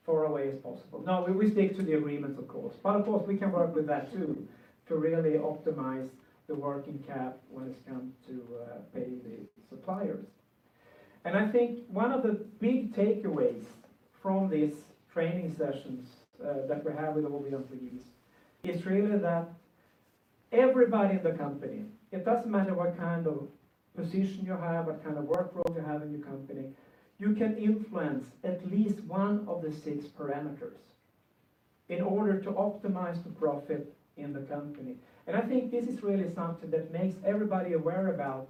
far away as possible. No, we stick to the agreements, of course. But of course, we can work with that too to really optimize the working cap when it comes to paying the suppliers. I think one of the big takeaways from these training sessions that we have with all the employees is really that everybody in the company, it doesn't matter what kind of position you have, what kind of work role you have in your company, you can influence at least one of the six parameters in order to optimize the profit in the company. I think this is really something that makes everybody aware about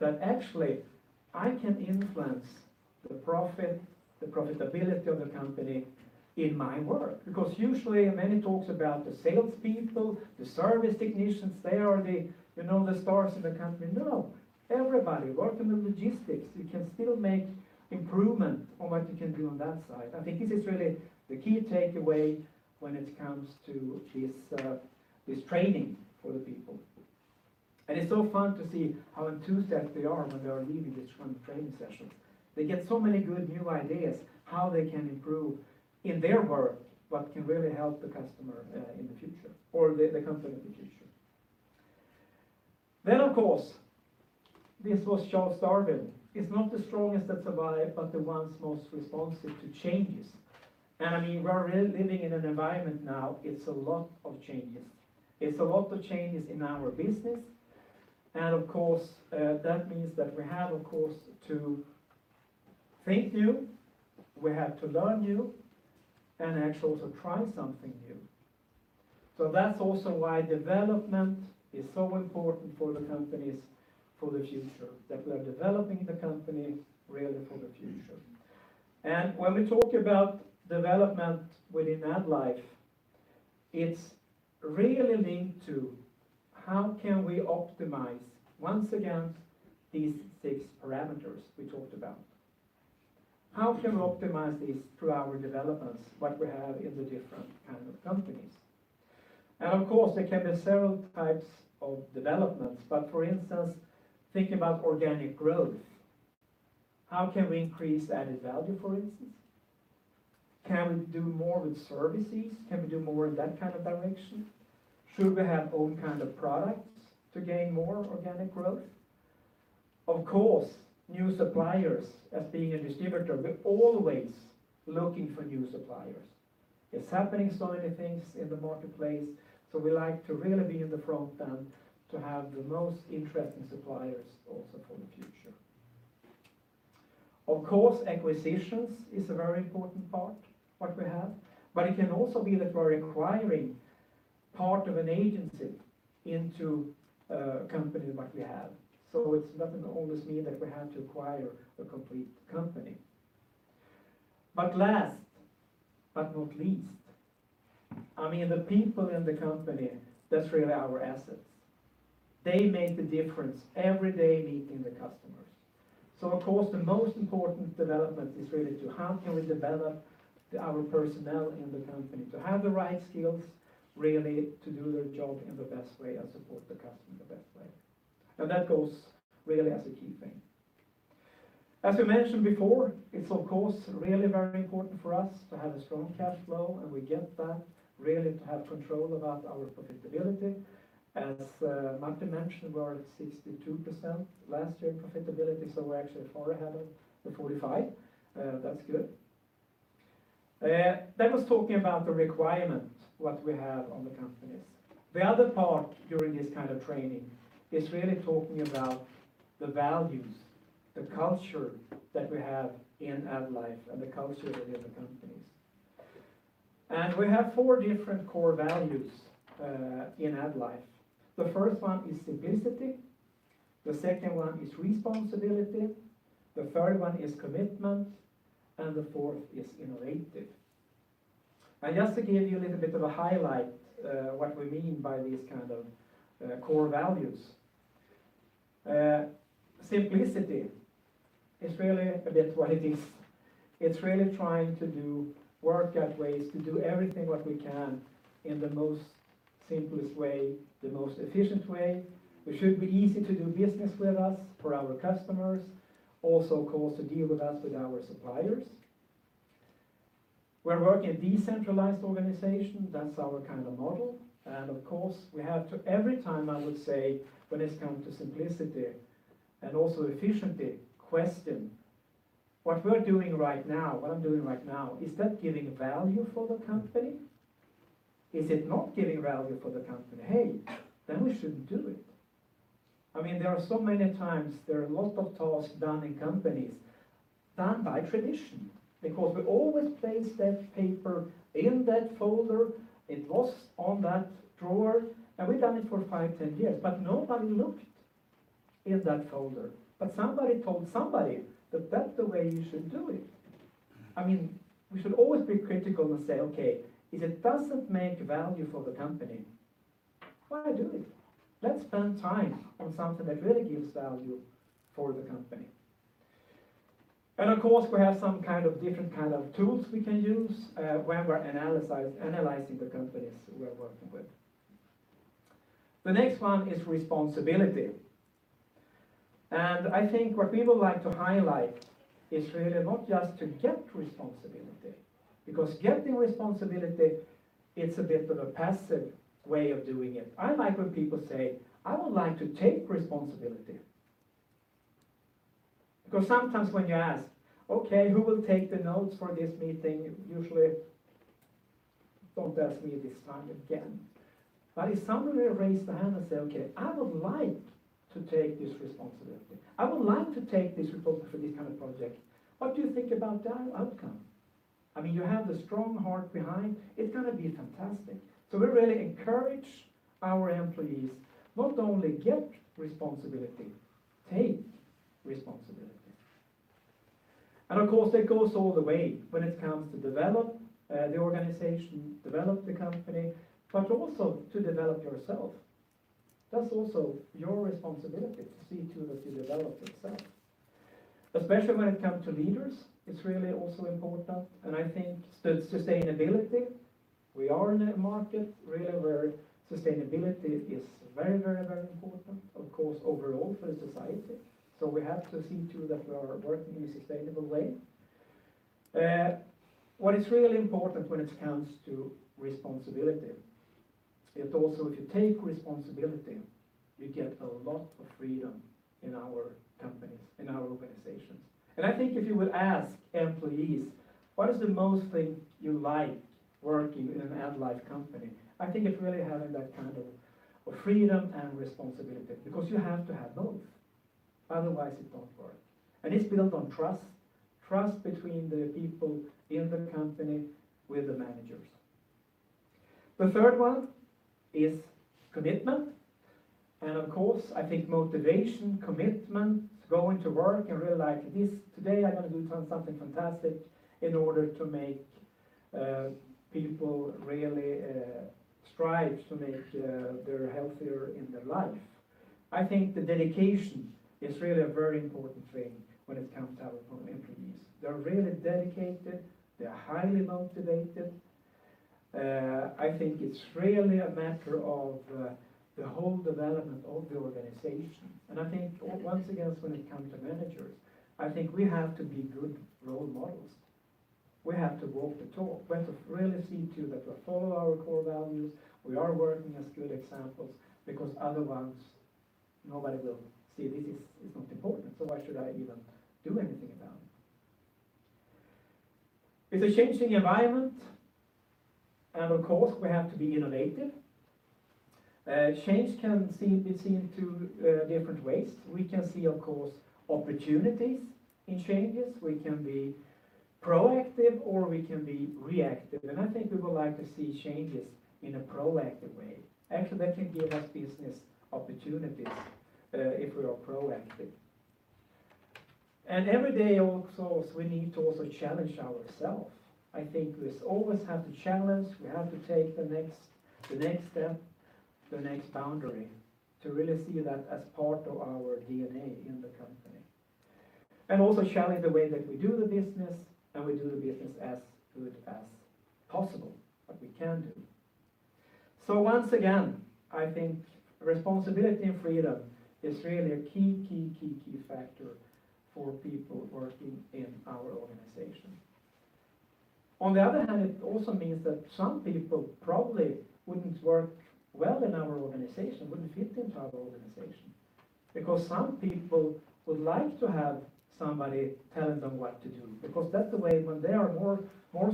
that actually, I can influence the profit, the profitability of the company in my work. Because usually many talks about the salespeople, the service technicians, they are the stars of the company. No. Everybody. Work in the logistics, you can still make improvement on what you can do on that side. I think this is really the key takeaway when it comes to this training for the people. It's so fun to see how enthusiastic they are when they are leaving this one training session. They get so many good new ideas how they can improve in their work but can really help the customer in the future or the company in the future. Then, of course, this was Charles Darwin. "It's not the strongest that survive, but the ones most responsive to changes." I mean, we're living in an environment now, it's a lot of changes. It's a lot of changes in our business. Of course, that means that we have, of course, to think new, we have to learn new and actually also try something new. That's also why development is so important for the companies for the future, that we are developing the company really for the future. When we talk about development within AddLife, it's really linked to how can we optimize, once again, these six parameters we talked about. How can we optimize this through our developments, what we have in the different kind of companies? Of course, there can be several types of developments. For instance, think about organic growth. How can we increase added value, for instance? Can we do more with services? Can we do more in that kind of direction? Should we have own kind of products to gain more organic growth? Of course, new suppliers as being a distributor, we're always looking for new suppliers. It's happening so many things in the marketplace, we like to really be in the front and to have the most interesting suppliers also for the future. Of course, acquisitions is a very important part, what we have, but it can also be that we're acquiring part of an agency into a company like we have. It doesn't always mean that we have to acquire a complete company. Last but not least, I mean, the people in the company, that's really our assets. They make the difference every day meeting the customers. Of course, the most important development is really to how can we develop our personnel in the company to have the right skills, really to do their job in the best way and support the customer in the best way. That goes really as a key thing. As we mentioned before, it's of course, really very important for us to have a strong cash flow, and we get that really to have control about our profitability. As Martin mentioned, we're at 62% last year profitability, so we're actually far ahead of the 45. That's good. That was talking about the requirement, what we have on the companies. The other part during this kind of training is really talking about the values, the culture that we have in AddLife and the culture in the other companies. We have four different core values, in AddLife. The first one is simplicity, the second one is responsibility, the third one is commitment, and the fourth is innovative. Just to give you a little bit of a highlight, what we mean by these kind of core values. Simplicity is really a bit what it is. It's really trying to do work at ways to do everything what we can in the most simplest way, the most efficient way. It should be easy to do business with us for our customers, also, of course, to deal with us with our suppliers. We're working a decentralized organization. That's our kind of model. Of course, we have to every time, I would say, when it come to simplicity and also efficiency, question what we're doing right now, what I'm doing right now, is that giving value for the company? Is it not giving value for the company? Hey, we shouldn't do it. There are so many times there are a lot of tasks done in companies done by tradition, because we always place that paper in that folder. It was on that drawer, and we've done it for five, 10 years, but nobody looked in that folder. Somebody told somebody that that's the way you should do it. We should always be critical and say, "Okay, if it doesn't make value for the company, why do it?" Let's spend time on something that really gives value for the company. Of course, we have some different kind of tools we can use, when we're analyzing the companies we're working with. The next one is responsibility. I think what people like to highlight is really not just to get responsibility, because getting responsibility, it's a bit of a passive way of doing it. I like when people say, "I would like to take responsibility." Because sometimes when you ask, "Okay, who will take the notes for this meeting?" Usually, don't ask me this time again. If somebody raise their hand and say, "Okay, I would like to take this responsibility. I would like to take this responsibility for this kind of project" what do you think about that outcome? You have the strong heart behind, it's going to be fantastic. We really encourage our employees not only get responsibility, take responsibility. Of course, it goes all the way when it comes to develop, the organization, develop the company, but also to develop yourself. That's also your responsibility to see to it that you develop yourself. Especially when it come to leaders, it's really also important. I think sustainability, we are in a market really where sustainability is very important, of course, overall for society. We have to see to it that we are working in a sustainable way. What is really important when it comes to responsibility, it also if you take responsibility, we get a lot of freedom in our companies, in our organizations. I think if you would ask employees, what is the most thing you like working in an AddLife company? I think it's really having that kind of freedom and responsibility, because you have to have both, otherwise it don't work. It's built on trust. Trust between the people in the company with the managers. The third one is commitment. Of course, I think motivation, commitment, going to work and realize this, today I'm going to do something fantastic in order to make people really strive to make they're healthier in their life. I think the dedication is really a very important thing when it comes out from employees. They're really dedicated. They're highly motivated. I think it's really a matter of the whole development of the organization. I think once again, when it come to managers, I think we have to be good role models. We have to walk the talk. We have to really see to that we follow our core values. We are working as good examples because other ones, nobody will see this is not important. Why should I even do anything about it? It's a changing environment, of course, we have to be innovative. Change can be seen two different ways. We can see, of course, opportunities in changes. We can be proactive, or we can be reactive. I think we would like to see changes in a proactive way. Actually, that can give us business opportunities, if we are proactive. Every day, also, we need to also challenge ourself. I think we always have to challenge. We have to take the next step, the next boundary to really see that as part of our DNA in the company. Also challenge the way that we do the business, we do the business as good as possible, what we can do. Once again, I think responsibility and freedom is really a key factor for people working in our organization. On the other hand, it also means that some people probably wouldn't work well in our organization, wouldn't fit into our organization, because some people would like to have somebody telling them what to do, because that's the way when they are more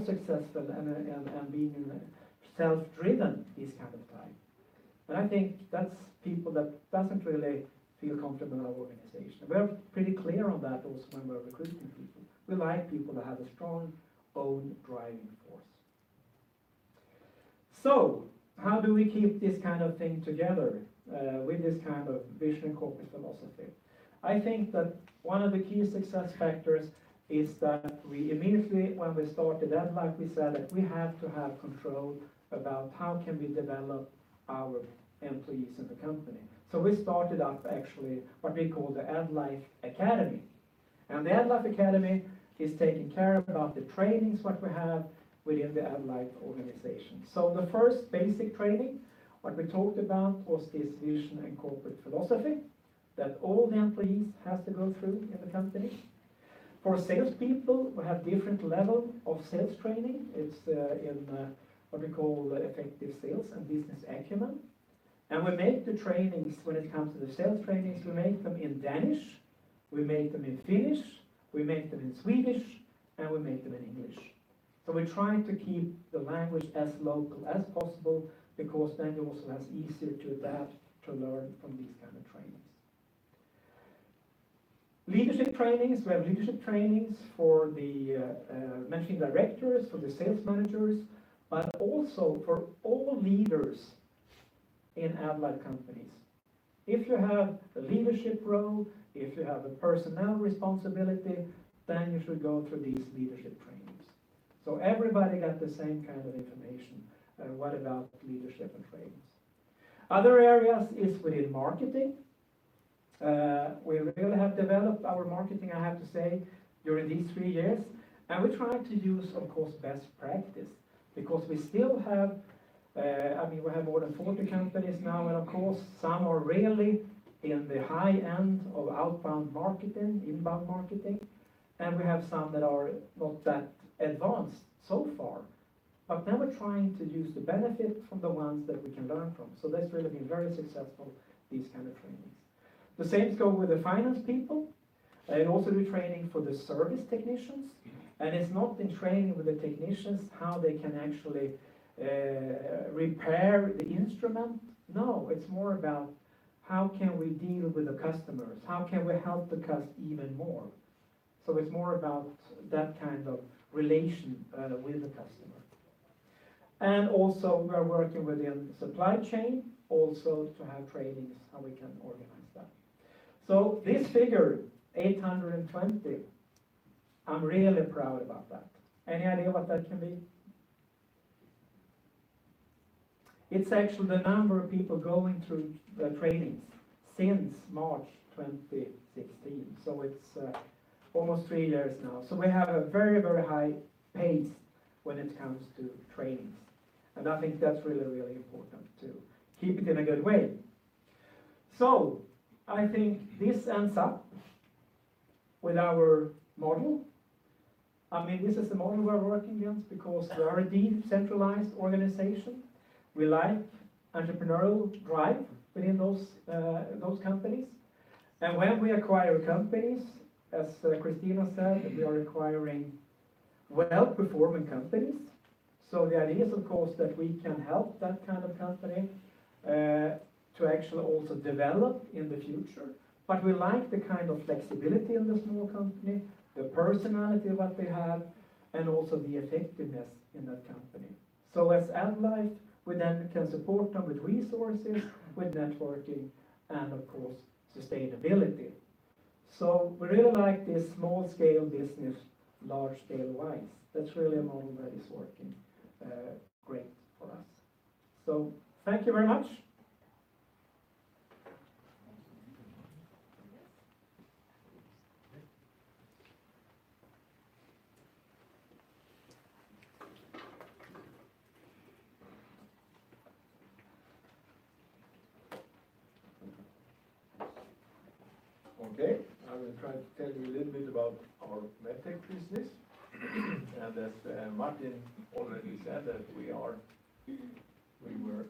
successful and being self-driven this kind of time. I think that's people that doesn't really feel comfortable in our organization. We're pretty clear on that also when we're recruiting people. We like people to have a strong own driving force. How do we keep this kind of thing together, with this kind of vision, corporate philosophy? I think that one of the key success factors is that we immediately, when we started AddLife, we said that we have to have control about how can we develop our employees in the company. We started up actually what we call the AddLife Academy. The AddLife Academy is taking care about the trainings, what we have within the AddLife organization. The first basic training, what we talked about was this vision and corporate philosophy that all the employees has to go through in the company. For salespeople, we have different level of sales training. It's in what we call effective sales and business acumen. We make the trainings, when it comes to the sales trainings, we make them in Danish, we make them in Finnish, we make them in Swedish, and we make them in English. We're trying to keep the language as local as possible because then it's also easier to adapt to learn from these kind of trainings. Leadership trainings. We have leadership trainings for the managing directors, for the sales managers, but also for all leaders in AddLife companies. If you have a leadership role, if you have a personnel responsibility, then you should go through these leadership trainings. Everybody got the same kind of information about leadership and trainings. Other areas is within marketing. We really have developed our marketing, I have to say, during these three years. We try to use, of course, best practice because we still have more than 40 companies now, and of course, some are really in the high end of outbound marketing, inbound marketing, and we have some that are not that advanced so far. We're trying to use the benefit from the ones that we can learn from. That's really been very successful, these kind of trainings. The same goes with the finance people, and also the training for the service technicians. It's not in training with the technicians how they can actually repair the instrument. It's more about how can we deal with the customers, how can we help the customer even more. It's more about that kind of relation with the customer. We are working within supply chain, also to have trainings, how we can organize that. This figure, 820, I'm really proud about that. Any idea what that can be? It's actually the number of people going through the trainings since March 2016, so it's almost three years now. We have a very high pace when it comes to trainings, and I think that's really important to keep it in a good way. I think this ends up with our model. This is the model we are working on because we are a decentralized organization. We like entrepreneurial drive within those companies. When we acquire companies, as Kristina said, we are acquiring well-performing companies. The idea is, of course, that we can help that kind of company, to actually also develop in the future. We like the kind of flexibility in the small company, the personality that they have, and also the effectiveness in that company. As AddLife, we then can support them with resources, with networking, and of course, sustainability. We really like this small-scale business, large-scale wise. That's really a model that is working great for us. Thank you very much. Okay. I will try to tell you a little bit about our Medtech business. As Martin already said that we were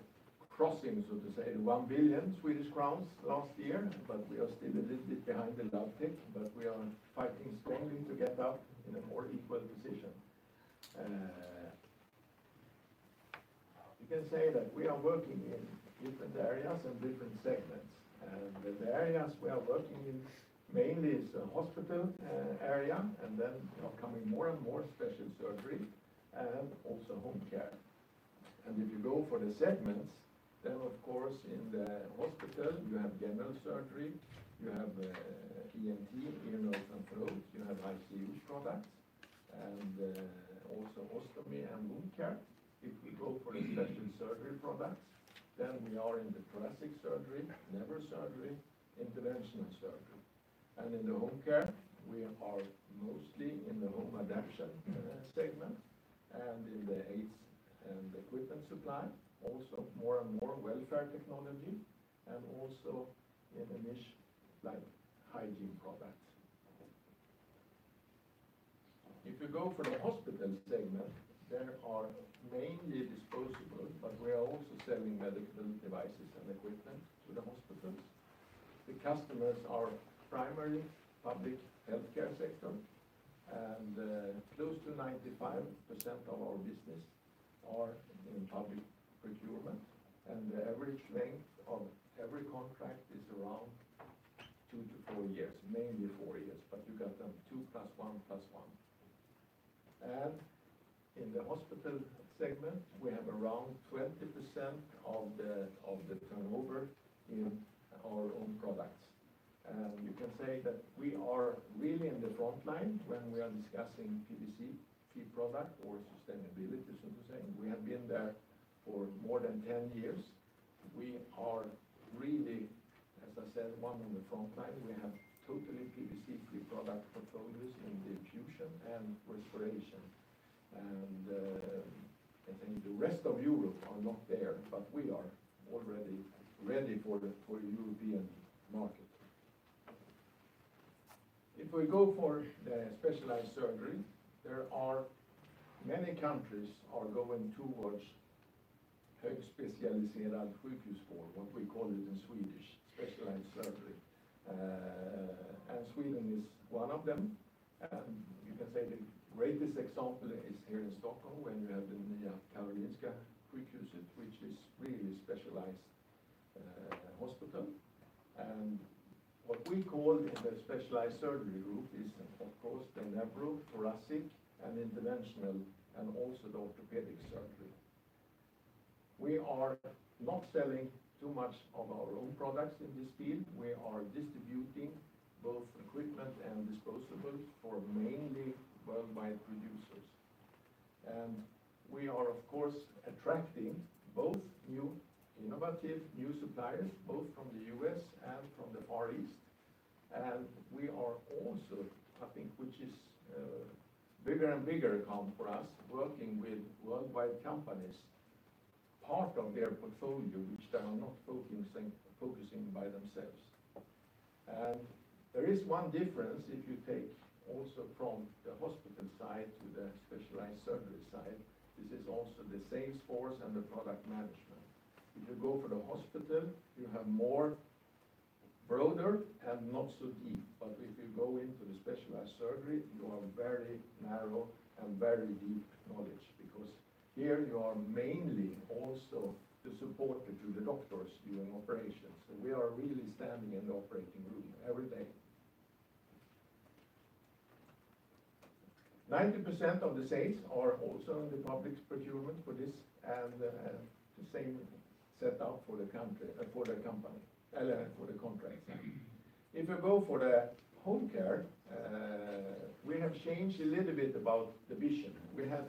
crossing, so to say, 1 billion Swedish crowns last year, we are still a little bit behind the Addtech, we are fighting strongly to get up in a more equal position. We are working in different areas and different segments. The areas we are working in mainly is the hospital area, coming more and more special surgery and also home care. If you go for the segments, in the hospitals you have general surgery, you have ENT, ear, nose and throat, you have ICU products, and also ostomy and wound care. If we go for special surgery products, we are in the thoracic surgery, nerve surgery, interventional surgery. In the home care, we are mostly in the home adaption segment and in the aids and equipment supply, also more and more welfare technology, and also in a niche like hygiene products. If you go for the hospital segment, there are mainly disposables, we are also selling medical devices and equipment to the hospitals. The customers are primary public healthcare sector, close to 95% of our business are in public procurement, the average length of every contract is around 2-4 years, mainly 4 years, you get them 2 plus 1. In the hospital segment, we have around 20% of the turnover in our own products. We are really in the front line when we are discussing PVC, key product, or sustainability. We have been there for more than 10 years. We are really, as I said, 1 on the front line. Totally PVC free product portfolios in infusion and respiration. I think the rest of Europe are not there, we are already ready for the European market. If we go for the specialized surgery, many countries are going towards högspecialiserad sjukvård, what we call it in Swedish, specialized surgery. Sweden is one of them, the greatest example is here in Stockholm, when you have the Karolinska University Hospital which is really specialized hospital. What we call in the specialized surgery group is, of course, the neuro, thoracic, and interventional, and also the orthopedic surgery. We are not selling too much of our own products in this field. We are distributing both equipment and disposables for mainly worldwide producers. We are, of course, attracting both innovative new suppliers, both from the U.S. and from the Far East. We are also, I think, which is bigger and bigger account for us, working with worldwide companies, part of their portfolio, which they are not focusing by themselves. There is one difference if you take also from the hospital side to the specialized surgery side, this is also the sales force and the product management. If you go for the hospital, you have more broader and not so deep. If you go into the specialized surgery, you are very narrow and very deep knowledge because here you are mainly also the support to the doctors doing operations. We are really standing in the operating room every day. 90% of the sales are also in the public procurement for this and the same setup for the company for the contracts. If you go for the home care, we have changed a little bit about the vision. We have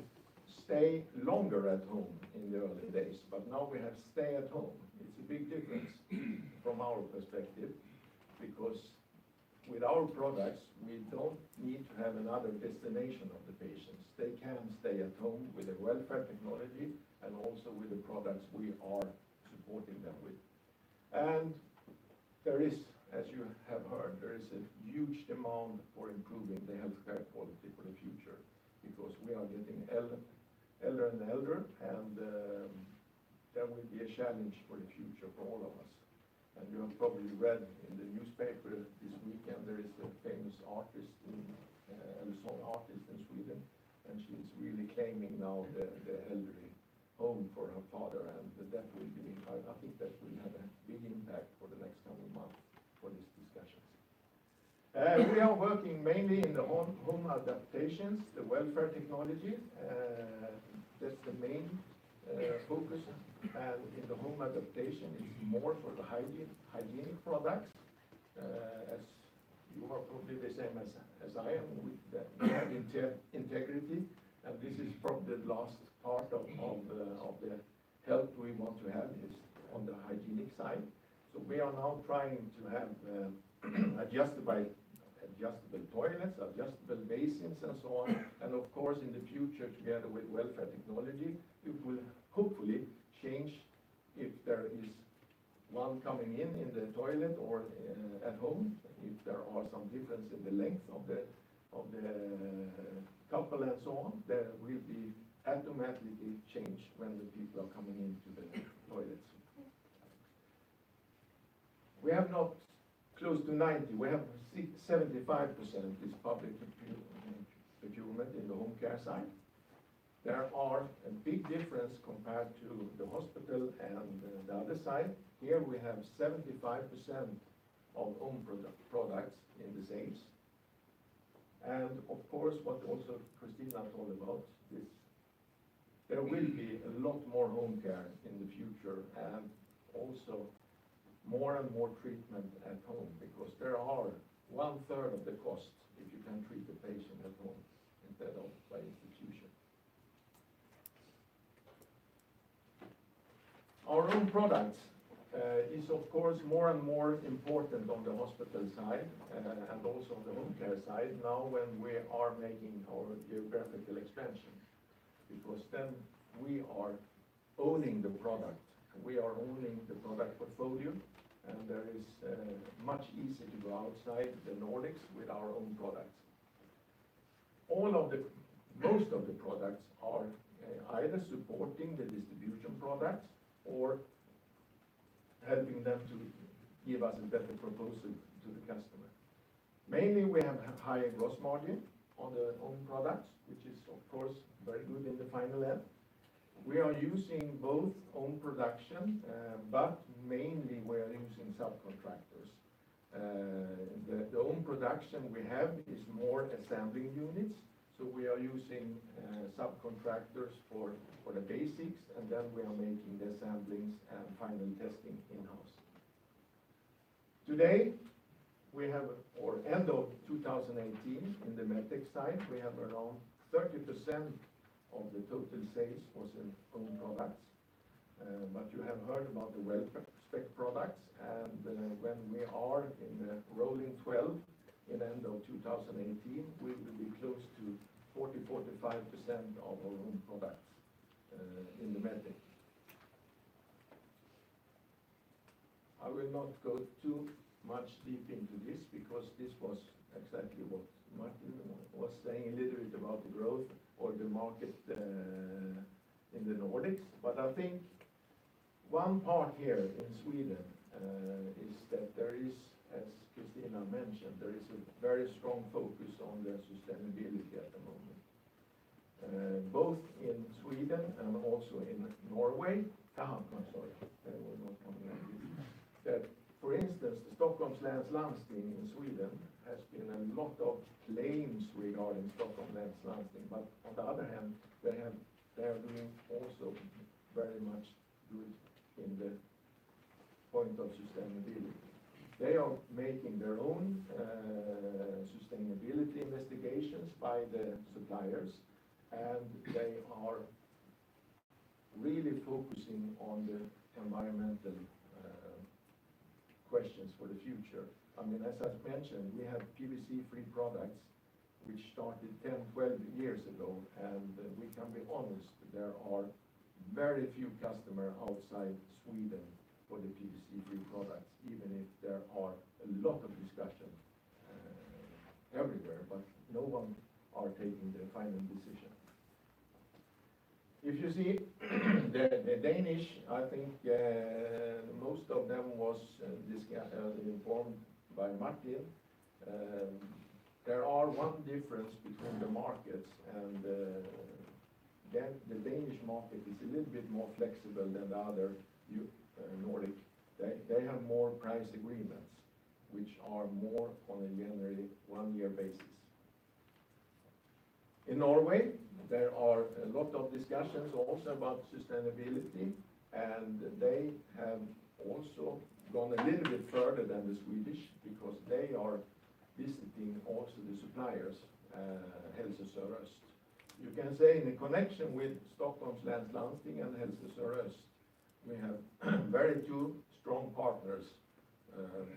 stay longer at home in the early days, but now we have stay at home. It's a big difference from our perspective because with our products, we don't need to have another destination of the patients. They can stay at home with the welfare technology and also with the products we are supporting them with. There is, as you have heard, there is a huge demand for improving the healthcare quality for the future because we are getting elder and elder, and that will be a challenge for the future for all of us. You have probably read in the newspaper this weekend, there is a famous artist, a song artist in Sweden, she's really claiming now the elderly home for her father. I think that will have a big impact for the next 12 months for these discussions. We are working mainly in the home adaptations, the welfare technology, that's the main focus. In the home adaptation is more for the hygienic products, as you are probably the same as I am with the integrity and this is from the last part of the help we want to have is on the hygienic side. We are now trying to have adjustable toilets, adjustable basins and so on. Of course, in the future, together with welfare technology, it will hopefully change if there is one coming in the toilet or at home, if there are some difference in the length of the couple and so on, there will be automatically change when the people are coming into the toilets. We have not close to 90, we have 75% is public procurement in the home care side. There are a big difference compared to the hospital and the other side. Here we have 75% of own products in the sales. Of course, what also Kristina told about is there will be a lot more home care in the future and also more and more treatment at home because there are one third of the cost if you can treat the patient at home instead of by institution. Our own product is, of course, more and more important on the hospital side and also on the home care side now when we are making our geographical expansion. Then we are owning the product, we are owning the product portfolio, and there is much easier to go outside the Nordics with our own products. Most of the products are either supporting the distribution products or helping them to give us a better proposal to the customer. Mainly, we have higher gross margin on the own products, which is, of course, very good in the final end. We are using both own production, but mainly we are using subcontractors. The own production we have is more assembly units, so we are using subcontractors for the basics, and then we are making the assemblies and final testing in-house. Today, end of 2018, in the Medtech side, we have around 30% of the total sales was in own products. You have heard about the Wellspect products and when we are in the rolling 12 in end of 2018, we will be close to 40%-45% of our own products in the Medtech. I will not go too much deep into this because this was exactly what Martin was saying, a little bit about the growth or the market in the Nordics. I think one part here in Sweden is that there is, as Kristina mentioned, there is a very strong focus on the sustainability at the moment, both in Sweden and also in Norway. I'm sorry. There was one more. For instance, the Stockholms läns landsting in Sweden has been a lot of claims regarding Stockholms läns landsting, on the other hand, they are doing also very much good in the point of sustainability. They are making their own sustainability investigations by the suppliers, and they are really focusing on the environmental questions for the future. As I've mentioned, we have PVC-free products, which started 10, 12 years ago, and we can be honest, there are very few customer outside Sweden for the PVC-free products, even if there are a lot of discussion everywhere, no one are taking the final decision. If you see the Danish, I think, most of them was informed by Martin. There is one difference between the markets and the Danish market is a little bit more flexible than the other Nordic. They have more price agreements, which are more on a generally one year basis. In Norway, there are a lot of discussions also about sustainability, and they have also gone a little bit further than the Swedish because they are visiting also the suppliers, Helse Sør-Øst. You can say in connection with Stockholm's Länslandsting and Helse Sør-Øst, we have very two strong partners,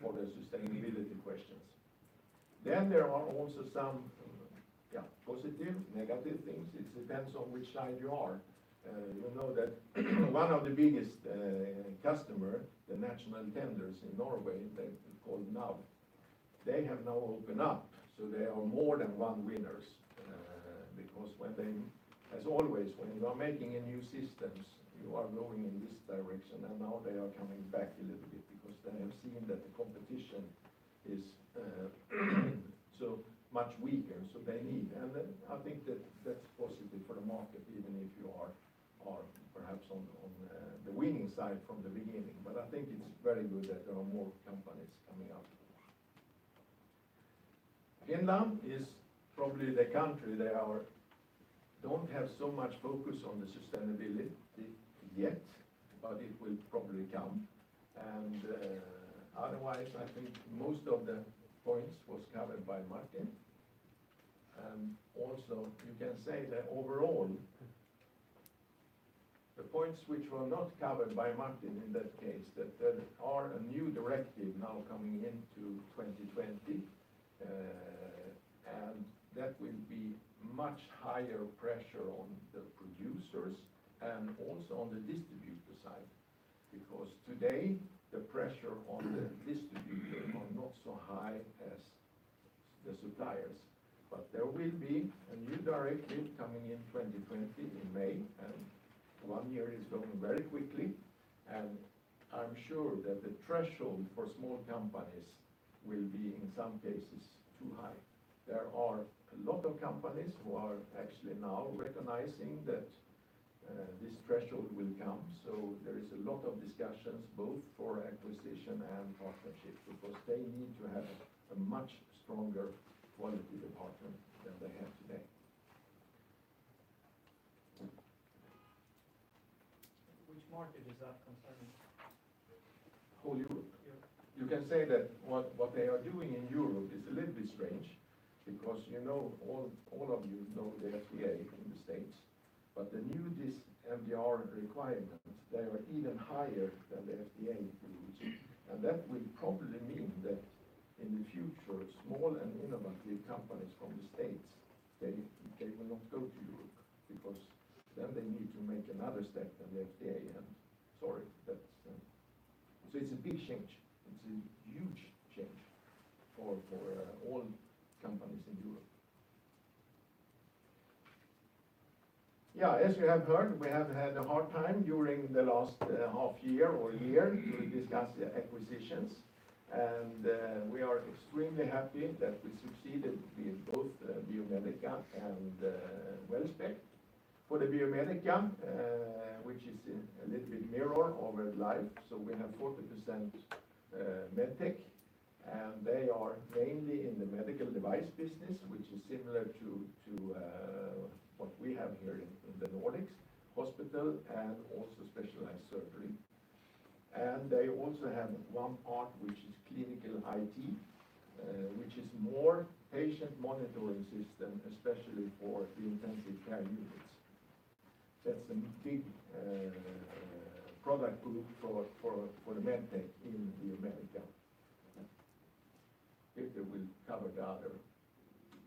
for the sustainability questions. There are also some positive, negative things. It depends on which side you are. You know that one of the biggest customer, the national tenders in Norway, they called NAV. They have now opened up, so there are more than one winners, because as always, when you are making a new systems, you are going in this direction, and now they are coming back a little bit because they have seen that the competition is, so much weaker, so they need. I think that that's positive for the market, even if you are perhaps on the winning side from the beginning. I think it's very good that there are more companies coming up. Finland is probably the country that don't have so much focus on the sustainability yet, but it will probably come. Otherwise, I think most of the points was covered by Martin. Also, you can say that overall, the points which were not covered by Martin in that case, there are a new directive now coming into 2020, that will be much higher pressure on the producers and also on the distributor side, because today the pressure on the distributor are not so high as the suppliers. There will be a new directive coming in 2020 in May, and one year is going very quickly, and I'm sure that the threshold for small companies will be, in some cases, too high. There are a lot of companies who are actually now recognizing that this threshold will come. There is a lot of discussions both for acquisition and partnership, because they need to have a much stronger quality department than they have today. Which market is that concerning? Whole Europe. Yeah. You can say that what they are doing in Europe is a little bit strange because all of you know the FDA in the U.S., but the new MDR requirements, they are even higher than the FDA rules. That will probably mean that in the future, small and innovative companies from the U.S., they will not go to Europe because then they need to make another step than the FDA. Sorry, that's a big change. It's a huge change for all companies in Europe. As you have heard, we have had a hard time during the last half year or year to discuss the acquisitions, and we are extremely happy that we succeeded with both Biomedica and Wellspect. For the Biomedica, which is a little bit mirror over AddLife. We have 40% Medtech, and they are mainly in the medical device business, which is similar to what we have here in the Nordics, hospital and also specialized surgery. They also have one part which is clinical IT, which is more patient monitoring system, especially for the intensive care units. That's a big product group for Medtech in Biomedica. Peter will cover the other.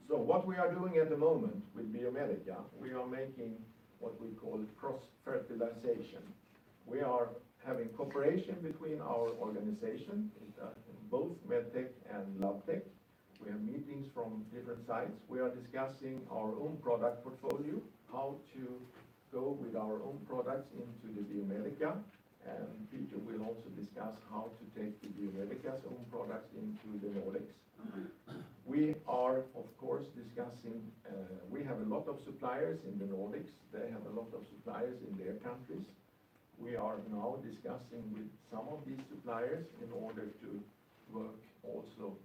What we are doing at the moment with Biomedica, we are making what we call cross-fertilization. We are having cooperation between our organization, both Medtech and Labtech. We have meetings from different sides. We are discussing our own product portfolio, how to go with our own products into the Biomedica, and Peter will also discuss how to take the Biomedica's own products into the Nordics. We have a lot of suppliers in the Nordics. They have a lot of suppliers in their countries. We are now discussing with some of these suppliers in order to work also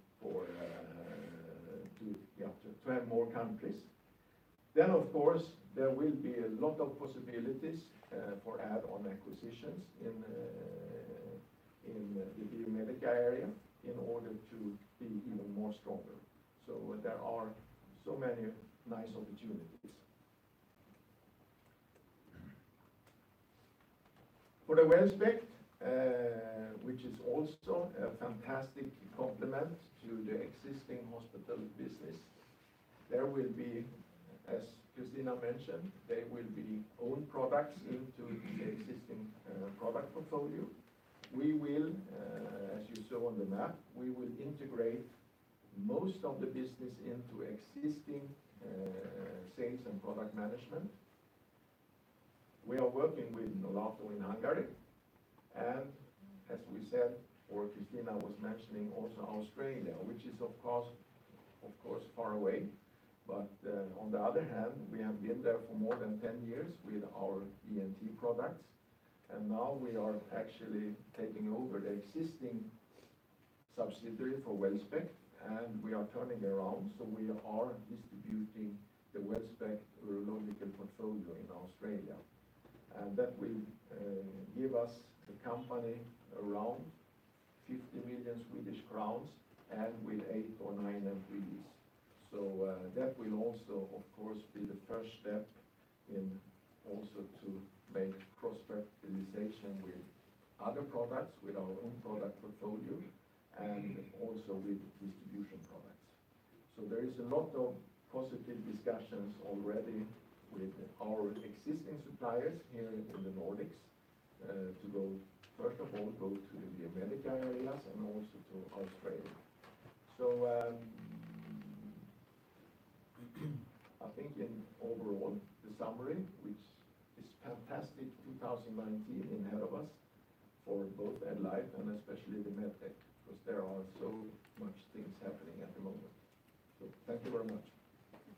to have more countries. Of course, there will be a lot of possibilities for add-on acquisitions in the Biomedica area in order to be even more stronger. There are so many nice opportunities. For the Wellspect, which is also a fantastic complement to the existing hospital business, there will be, as Kristina mentioned, there will be own products into the existing product portfolio. As you saw on the map, we will integrate most of the business into existing sales and product management. We are working with a lot in Hungary, and as we said, or Kristina was mentioning also Australia, which is, of course, far away. On the other hand, we have been there for more than 10 years with our ENT products. Now we are actually taking over the existing subsidiary for Wellspect. We are turning around. We are distributing the Wellspect urological portfolio in Australia. That will give us the company around 50 million Swedish crowns and with eight or nine employees. That will also, of course, be the first step in also to make cross-fertilization with other products, with our own product portfolio and also with distribution products. There is a lot of positive discussions already with our existing suppliers here in the Nordics, to first of all go to the Biomedica areas and also to Australia. I think in overall the summary, which is fantastic 2019 ahead of us for both AddLife and especially the Medtech, because there are so much things happening at the moment. Thank you very much.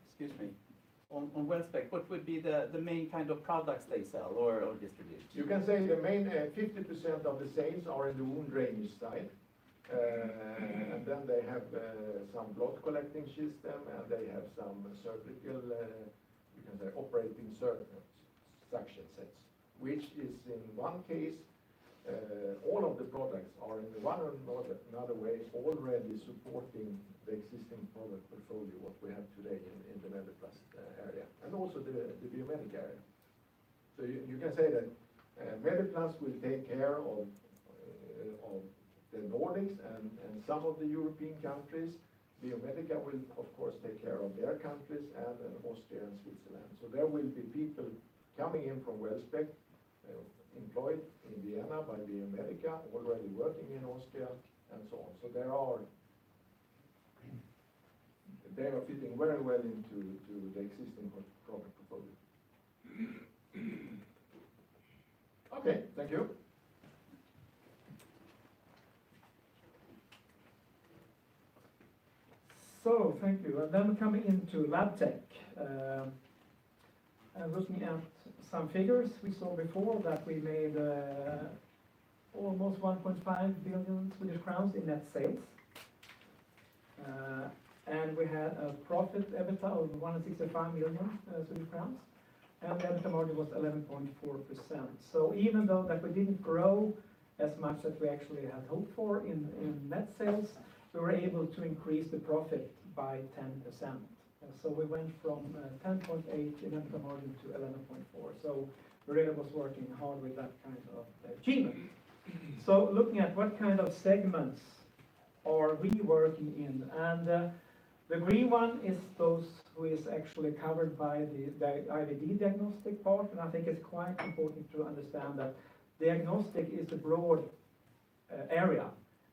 Excuse me. On Wellspect, what would be the main kind of products they sell or distribute? You can say the main 50% of the sales are in the wound drainage side. Then they have some blood collecting system, and they have some operating suction sets, which is in one case, all of the products are in one way or another way already supporting the existing product portfolio, what we have today in the Mediplast area and also the Biomedica area. You can say that Mediplast will take care of the Nordics and some of the European countries. Biomedica will, of course, take care of their countries and Austria and Switzerland. There will be people coming in from Wellspect, employed in Vienna by Biomedica, already working in Austria and so on. They are fitting very well into the existing product portfolio. Okay. Thank you. Thank you. Then coming into Labtech. Looking at some figures we saw before that we made almost 1.5 billion Swedish crowns in net sales. We had a profit EBITDA of 165 million Swedish crowns, and net promoter was 11.4%. Even though that we didn't grow as much that we actually had hoped for in net sales, we were able to increase the profit by 10%. We went from 10.8 net promoter to 11.4. Maria was working hard with that kind of achievement. Looking at what kind of segments are we working in, and the green one is those who is actually covered by the IVD diagnostic part. I think it's quite important to understand that diagnostic is a broad area,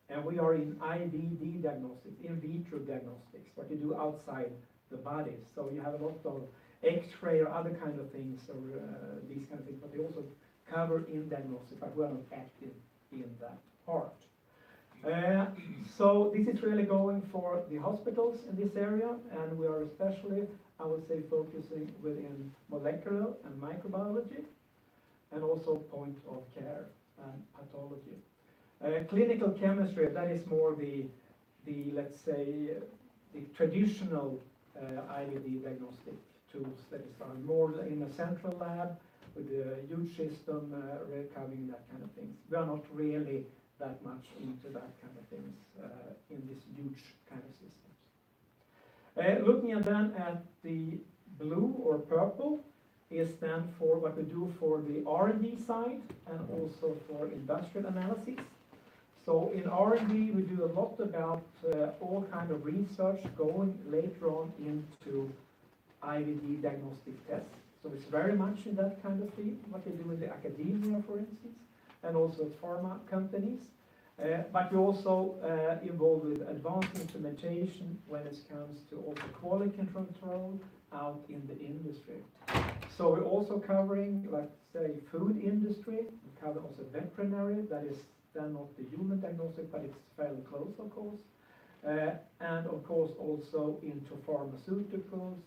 and we are in IVD diagnostic, in vitro diagnostics, what you do outside the body. You have a lot of X-ray or other kind of things, or these kind of things. They also cover in diagnostic, but we are not active in that part. This is really going for the hospitals in this area, and we are especially, I would say, focusing within molecular and microbiology and also point-of-care and pathology. Clinical chemistry, that is more the traditional IVD diagnostic tools that are more in a central lab with a huge system, we're covering that kind of things. We are not really that much into that kind of things in this huge kind of systems. Looking then at the blue or purple is then for what we do for the R&D side and also for industrial analysis. In R&D, we do a lot about all kind of research going later on into IVD diagnostic tests. It's very much in that kind of field, what they do in the academia, for instance, and also pharma companies. We're also involved with advanced instrumentation when it comes to all the quality control out in the industry. We're also covering, let's say, food industry. We cover also veterinary, that is then not the human diagnostic, but it's fairly close, of course. Of course also into pharmaceuticals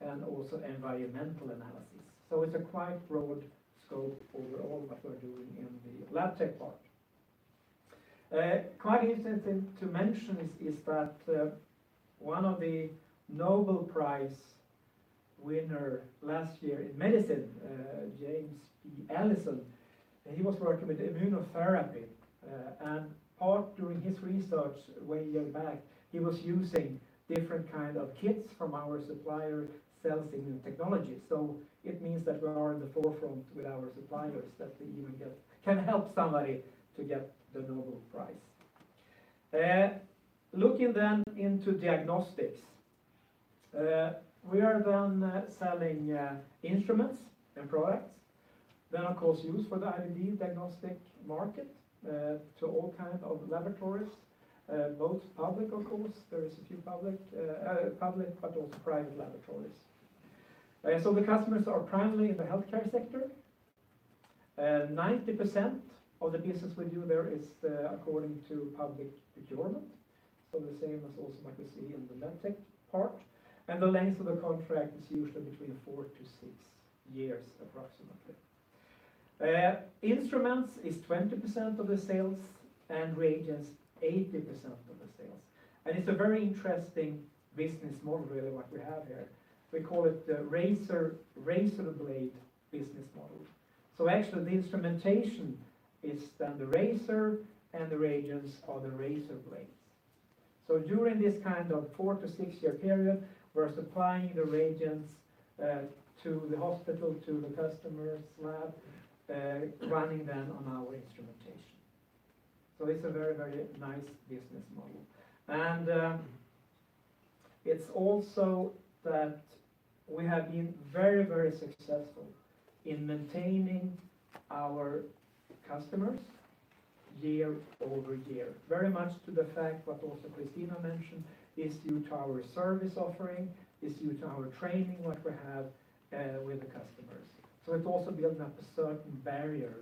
and also environmental analysis. It's a quite broad scope overall what we're doing in the Labtech part. Quite interesting to mention is that one of the Nobel Prize winner last year in medicine, James P. Allison, he was working with immunotherapy. Part during his research a way years back, he was using different kind of kits from our supplier, Cell Signaling Technology. It means that we are in the forefront with our suppliers that we even can help somebody to get the Nobel Prize. Looking then into diagnostics. We are then selling instruments and products that are of course used for the IVD diagnostic market, to all kind of laboratories, both public, of course, there is a few public, but also private laboratories. The customers are primarily in the healthcare sector. 90% of the business we do there is according to public procurement. The same as also what we see in the Labtech part. The length of the contract is usually between 4 to 6 years, approximately. Instruments is 20% of the sales and reagents 80% of the sales. It's a very interesting business model, really, what we have here. We call it the razor blade business model. Actually, the instrumentation is then the razor and the reagents are the razor blades. During this 4-6 year period, we're supplying the reagents to the hospital, to the customer's lab, running then on our instrumentation. It's a very nice business model. It's also that we have been very successful in maintaining our customers year-over-year. Very much to the fact what also Kristina mentioned is due to our service offering, is due to our training, what we have with the customers. It also builds up a certain barrier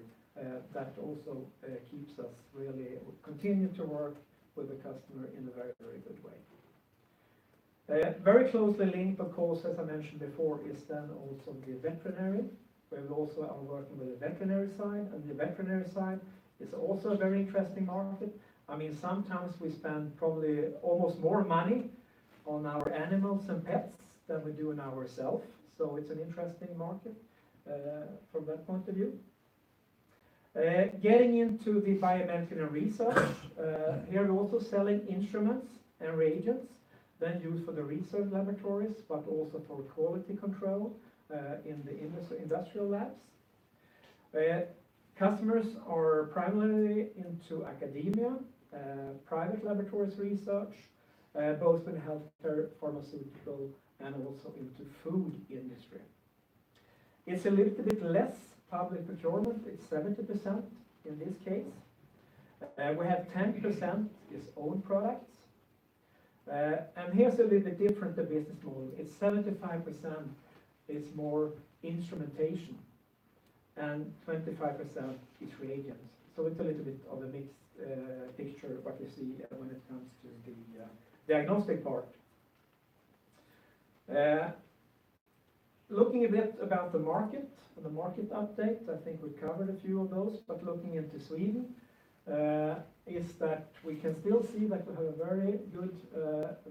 that also keeps us really continue to work with the customer in a very good way. Very closely linked, of course, as I mentioned before, is then also the veterinary, where we also are working with the veterinary side. The veterinary side is also a very interesting market. Sometimes we spend probably almost more money on our animals and pets than we do on ourselves. It's an interesting market from that point of view. Getting into the biomedical research. Here we're also selling instruments and reagents then used for the research laboratories, but also for quality control in the industrial labs. Customers are primarily into academia, private laboratories research, both in healthcare, pharmaceutical, and also into food industry. It's a little bit less public procurement. It's 70% in this case. We have 10% is own products. Here's a little different business model. It's 75% is more instrumentation and 25% is reagents. It's a little bit of a mixed picture, what you see when it comes to the diagnostic part. Looking a bit about the market, the market update, I think we covered a few of those. Looking into Sweden, is that we can still see that we have a very good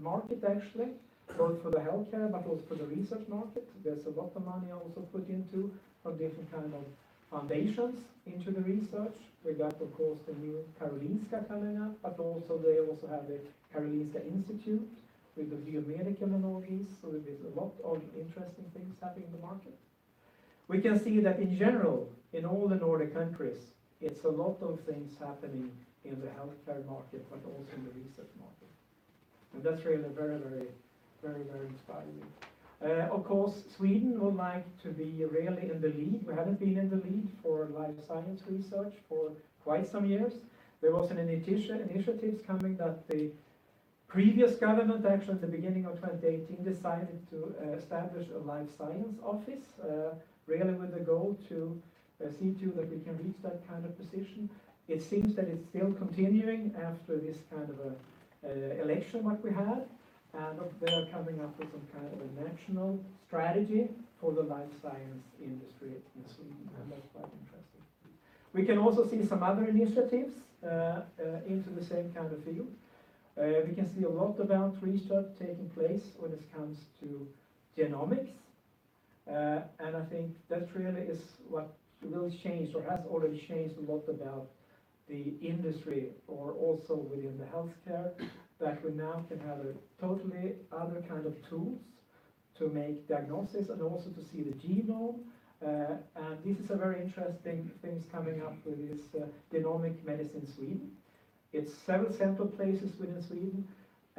market, actually, both for the healthcare but also for the research market. There's a lot of money also put into from different kind of foundations into the research. We got, of course, the new Karolinska Solna, but also they also have the Karolinska Institutet with the Biomedicum on this. There's a lot of interesting things happening in the market. We can see that in general, in all the Nordic countries, it's a lot of things happening in the healthcare market, but also in the research market. That's really very inspiring. Of course, Sweden would like to be really in the lead. We haven't been in the lead for life science research for quite some years. There was an initiatives coming that the previous government, actually at the beginning of 2018, decided to establish a life science office, really with the goal to see to that we can reach that kind of position. It seems that it's still continuing after this election, what we had, they are coming up with some kind of a national strategy for the life science industry in Sweden, and that's quite interesting. We can also see some other initiatives into the same kind of field. We can see a lot about research taking place when it comes to genomics. I think that really is what will change or has already changed a lot about the industry, or also within the healthcare, that we now can have a totally other kind of tools to make diagnosis and also to see the genome. This is a very interesting thing coming up with this Genomic Medicine Sweden. It's seven central places within Sweden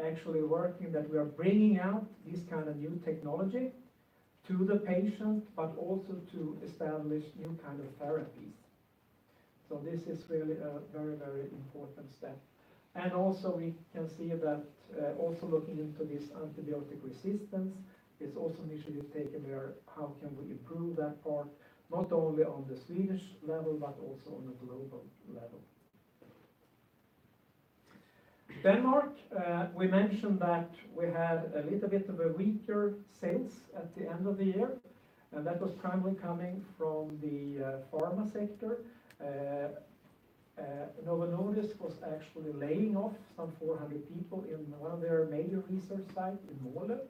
actually working that we are bringing out this kind of new technology to the patient, but also to establish new kind of therapies. This is really a very important step. Also we can see that, also looking into this antibiotic resistance, it's also an issue taken where, how can we improve that part, not only on the Swedish level, but also on a global level. Denmark, we mentioned that we had a little bit of a weaker sales at the end of the year, and that was primarily coming from the pharma sector. Novo Nordisk was actually laying off some 400 people in one of their major research site in Måløv.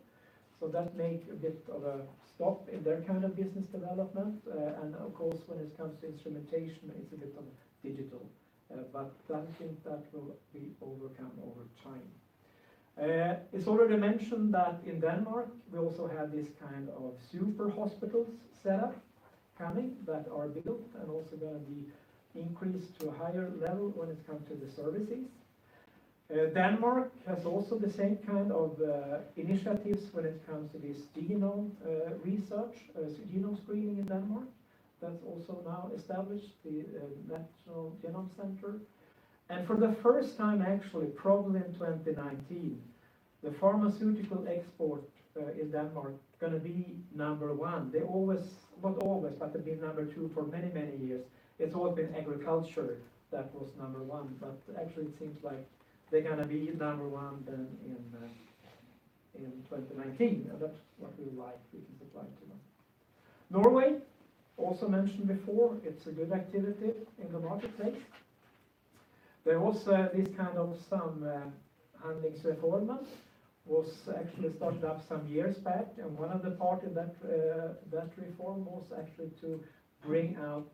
That made a bit of a stop in their kind of business development. Of course, when it comes to instrumentation, it is a bit of digital. I think that will be overcome over time. It is already mentioned that in Denmark, we also have this super hospitals set up coming that are built and also going to be increased to a higher level when it comes to the services. Denmark has also the same kind of initiatives when it comes to this genome research, genome screening in Denmark. That is also now established, the National Genome Center. For the first time actually, probably in 2019, the pharmaceutical export in Denmark going to be number 1. They have been number 2 for many years. It has always been agriculture that was number 1. Actually, it seems like they are going to be number 1 then in 2019. That is what we like. We can supply to them. Norway, also mentioned before, it is a good activity in the marketplace. There also this kind of some health reform was actually started up some years back. And one of the part in that reform was actually to bring out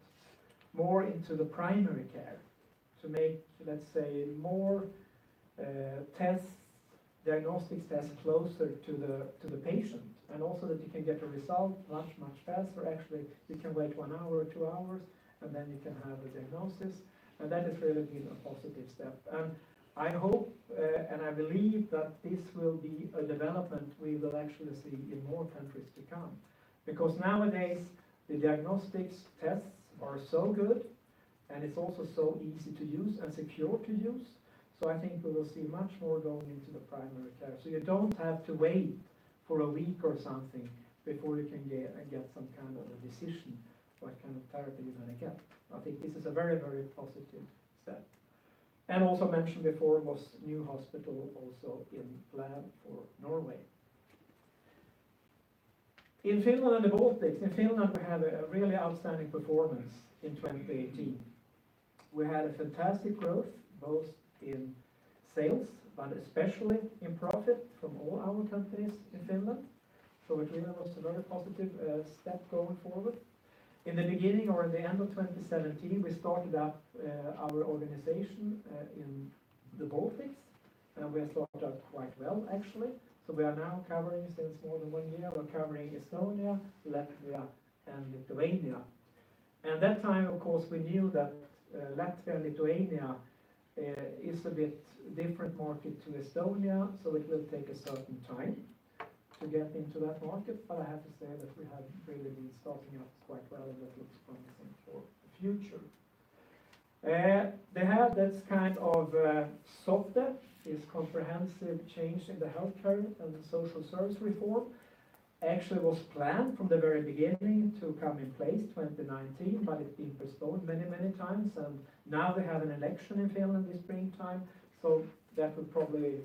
more into the primary care to make, let's say, more diagnostics tests closer to the patient, and also that you can get a result much faster. Actually, you can wait one hour or two hours, and then you can have a diagnosis. That has really been a positive step. I hope, and I believe that this will be a development we will actually see in more countries to come. Because nowadays, the diagnostics tests are so good, and it is also so easy to use and secure to use. I think we will see much more going into the primary care. You don't have to wait for a week or something before you can get some kind of a decision, what kind of therapy you are going to get. I think this is a very positive step. Also mentioned before was new hospital also in plan for Norway. In Finland and the Baltics, in Finland, we had a really outstanding performance in 2018. We had a fantastic growth, both in sales, but especially in profit from all our companies in Finland. Finland was a very positive step going forward. In the beginning or the end of 2017, we started up our organization in the Baltics, and we have started up quite well, actually. We are now covering, since more than one year, we are covering Estonia, Latvia, and Lithuania. That time, of course, we knew that Latvia, Lithuania is a bit different market to Estonia, so it will take a certain time to get into that market. I have to say that we have really been starting up quite well, and that looks promising for the future. They have this kind of SOTE comprehensive change in the healthcare and the social service reform. Actually was planned from the very beginning to come in place 2019, but it has been postponed many times. Now they have an election in Finland this springtime. That would probably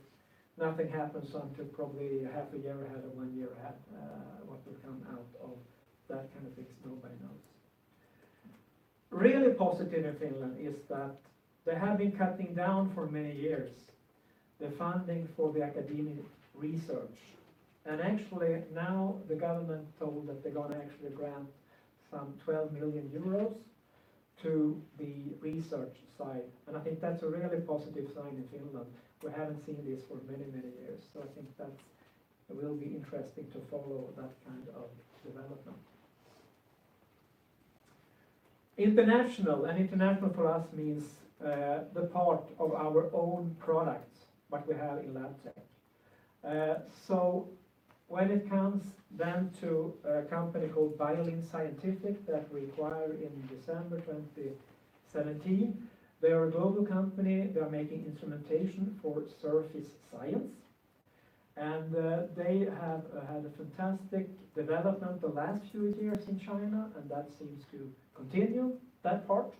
nothing happens until probably half a year ahead or one year ahead. What will come out of that kind of fix, nobody knows. Really positive in Finland is that they have been cutting down for many years the funding for the academic research. Actually, now the government told that they're going to actually grant some 12 million euros to the research side. I think that's a really positive sign in Finland. We haven't seen this for many years. I think that will be interesting to follow that kind of development. International. International for us means the part of our own products that we have in Labtech. When it comes then to a company called Biolin Scientific that we acquired in December 2017, they are a global company. They are making instrumentation for surface science. They have had a fantastic development the last few years in China, and that seems to continue that part.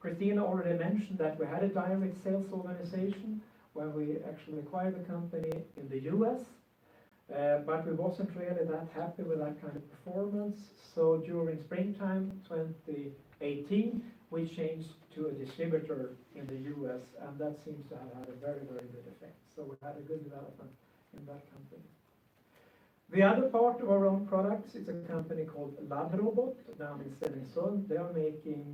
Kristina already mentioned that we had a dynamic sales organization where we actually acquired the company in the U.S., but we wasn't really that happy with that kind of performance. During springtime 2018, we changed to a distributor in the U.S., and that seems to have had a very, very good effect. We've had a good development in that company. The other part of our own products is a company called LabRobot, down in Stenungsund. They are making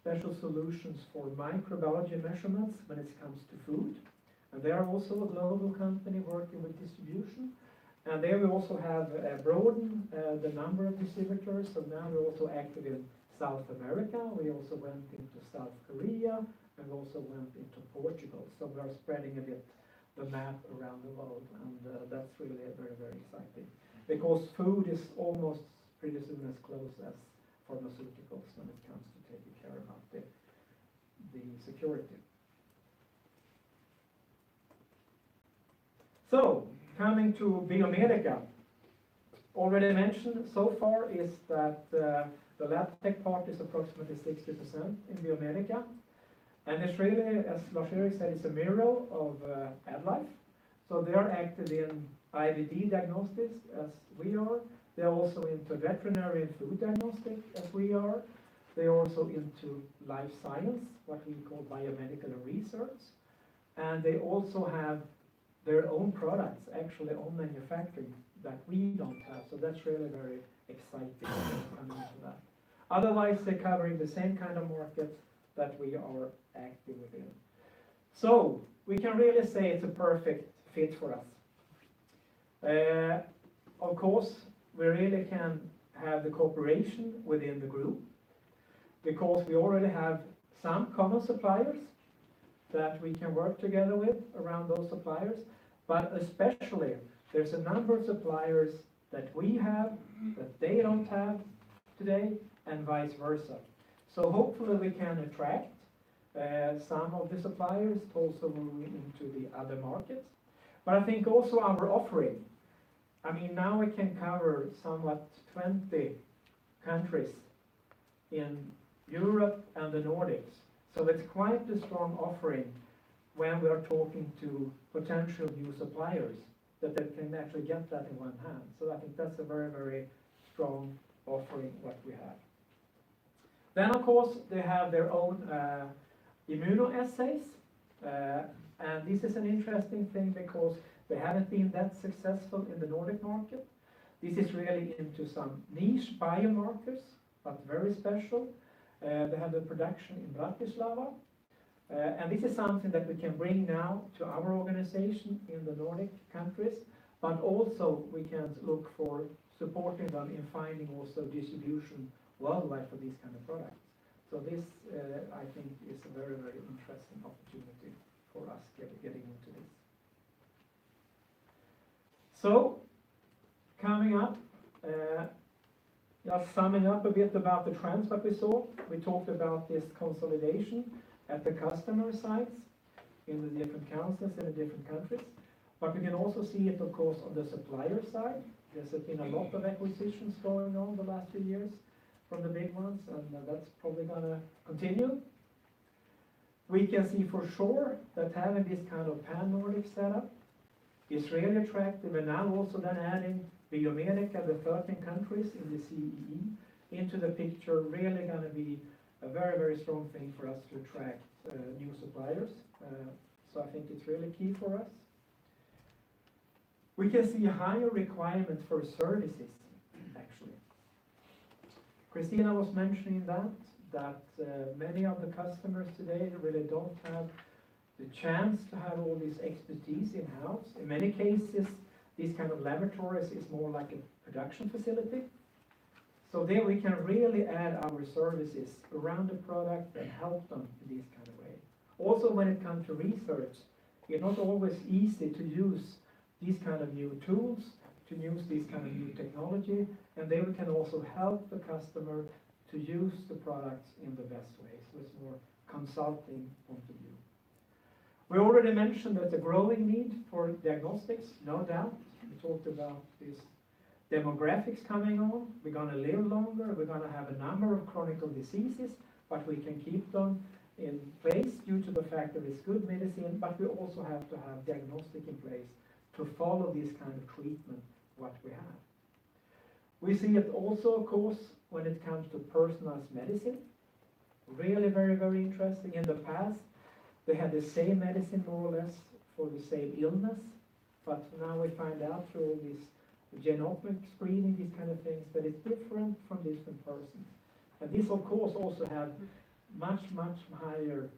special solutions for microbiology measurements when it comes to food. They are also a global company working with distribution. There we also have broadened the number of distributors. Now we're also active in South America. We also went into South Korea and also went into Portugal. We are spreading a bit the map around the world, and that's really very exciting. Food is almost producing as close as pharmaceuticals when it comes to taking care about the security. Coming to Biomedica. Already mentioned so far is that the Labtech part is approximately 60% in Biomedica. Australia, as Lars-Erik said, is a mirror of AddLife. They are active in IVD diagnostics as we are. They are also into veterinary and food diagnostic as we are. They are also into life science, what we call biomedical research. They also have their own products, actually own manufacturing that we don't have. That's really very exciting coming to that. Otherwise, they're covering the same kind of market that we are active within. We can really say it's a perfect fit for us. Of course, we really can have the cooperation within the group because we already have some common suppliers that we can work together with around those suppliers. Especially, there's a number of suppliers that we have that they don't have today and vice versa. Hopefully we can attract some of the suppliers also moving into the other markets. I think also our offering, now we can cover somewhat 20 countries in Europe and the Nordics. It's quite a strong offering when we are talking to potential new suppliers that they can actually get that in one hand. I think that's a very strong offering what we have. Of course, they have their own immunoassays. This is an interesting thing because they haven't been that successful in the Nordic market. This is really into some niche biomarkers, but very special. They have the production in Bratislava. This is something that we can bring now to our organization in the Nordic countries, but also we can look for supporting them in finding also distribution worldwide for these kind of products. This, I think, is a very interesting opportunity for us getting into this. Coming up, just summing up a bit about the trends that we saw. We talked about this consolidation at the customer sites in the different councils in the different countries. We can also see it, of course, on the supplier side. There's been a lot of acquisitions going on the last few years from the big ones, and that's probably going to continue. We can see for sure that having this kind of pan-Nordic setup is really attractive, and now also then adding Biomedica, the 13 countries in the CEE into the picture, really going to be a very strong thing for us to attract new suppliers. I think it's really key for us. We can see higher requirements for services, actually. Kristina was mentioning that, many of the customers today really don't have the chance to have all this expertise in-house. In many cases, these kind of laboratories is more like a production facility. There we can really add our services around the product and help them in this kind of way. Also, when it comes to research, it's not always easy to use these kind of new tools, to use this kind of new technology, and there we can also help the customer to use the products in the best way. It's more consulting point of view. We already mentioned that the growing need for diagnostics, no doubt. We talked about these demographics coming on. We're going to live longer. We're going to have a number of chronic diseases, but we can keep them in place due to the fact that it's good medicine, but we also have to have diagnostic in place to follow this kind of treatment, what we have. We see it also, of course, when it comes to personalized medicine. Really very interesting. In the past, they had the same medicine, more or less, for the same illness. Now we find out through all this genomic screening, these kind of things, that it's different for different persons. This, of course, also have much higher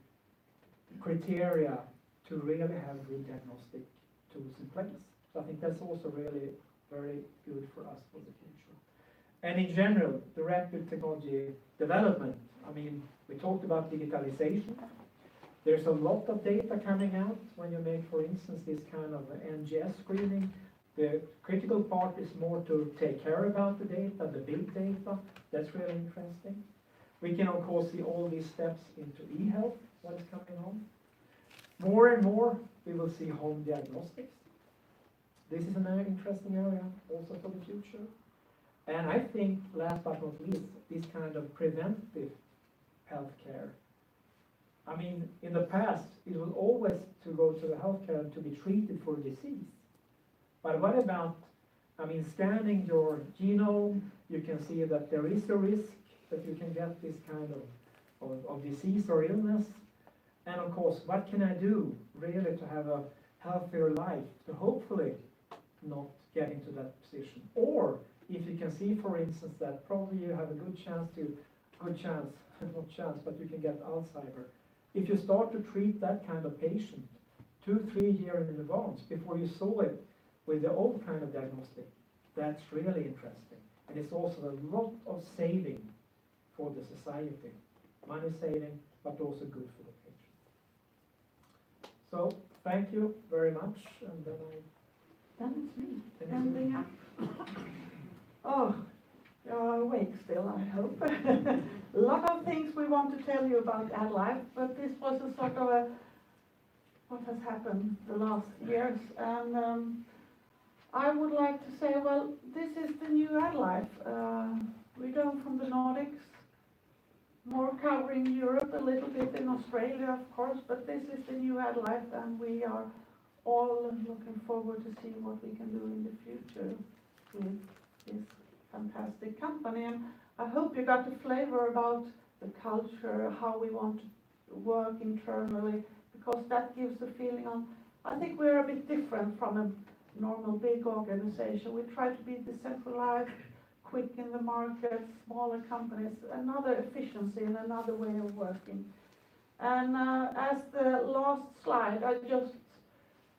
criteria to really have the diagnostic tools in place. I think that's also really very good for us for the future. In general, the rapid technology development. We talked about digitalization. There's a lot of data coming out when you make, for instance, this kind of NGS screening. The critical part is more to take care about the data, the big data. That's really interesting. We can, of course, see all these steps into e-health that's coming on. More and more, we will see home diagnostics. This is another interesting area also for the future. I think last but not least, this kind of preventative healthcare. In the past, it was always to go to the healthcare to be treated for a disease. What about scanning your genome, you can see that there is a risk that you can get this kind of disease or illness. Of course, what can I do, really, to have a healthier life to hopefully not get into that position? If you can see, for instance, that probably you have a good chance that you can get Alzheimer. If you start to treat that kind of patient two, three years in advance before you saw it with the old kind of diagnostic, that is really interesting, and it is also a lot of saving for the society. Money saving, but also good for the patient. Thank you very much. It is me. It is you. Standing up. Oh, you are awake still, I hope. A lot of things we want to tell you about AddLife, but this was what has happened the last years. I would like to say, this is the new AddLife. We go from the Nordics, more covering Europe, a little bit in Australia, of course, but this is the new AddLife, and we are all looking forward to seeing what we can do in the future with this fantastic company. I hope you got a flavor about the culture, how we want to work internally, because that gives a feeling of, I think we are a bit different from a normal, big organization. We try to be decentralized, quick in the market, smaller companies, another efficiency and another way of working. As the last slide, I just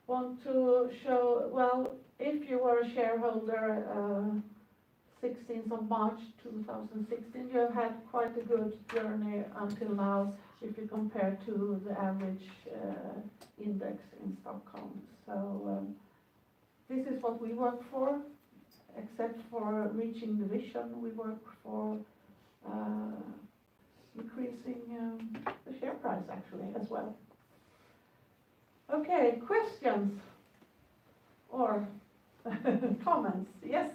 want to show, if you were a shareholder, 16th of March 2016, you have had quite a good journey until now if you compare to the average index in Stockholm. This is what we work for. Except for reaching the vision, we work for increasing the share price actually as well. Okay, questions or comments? Yes.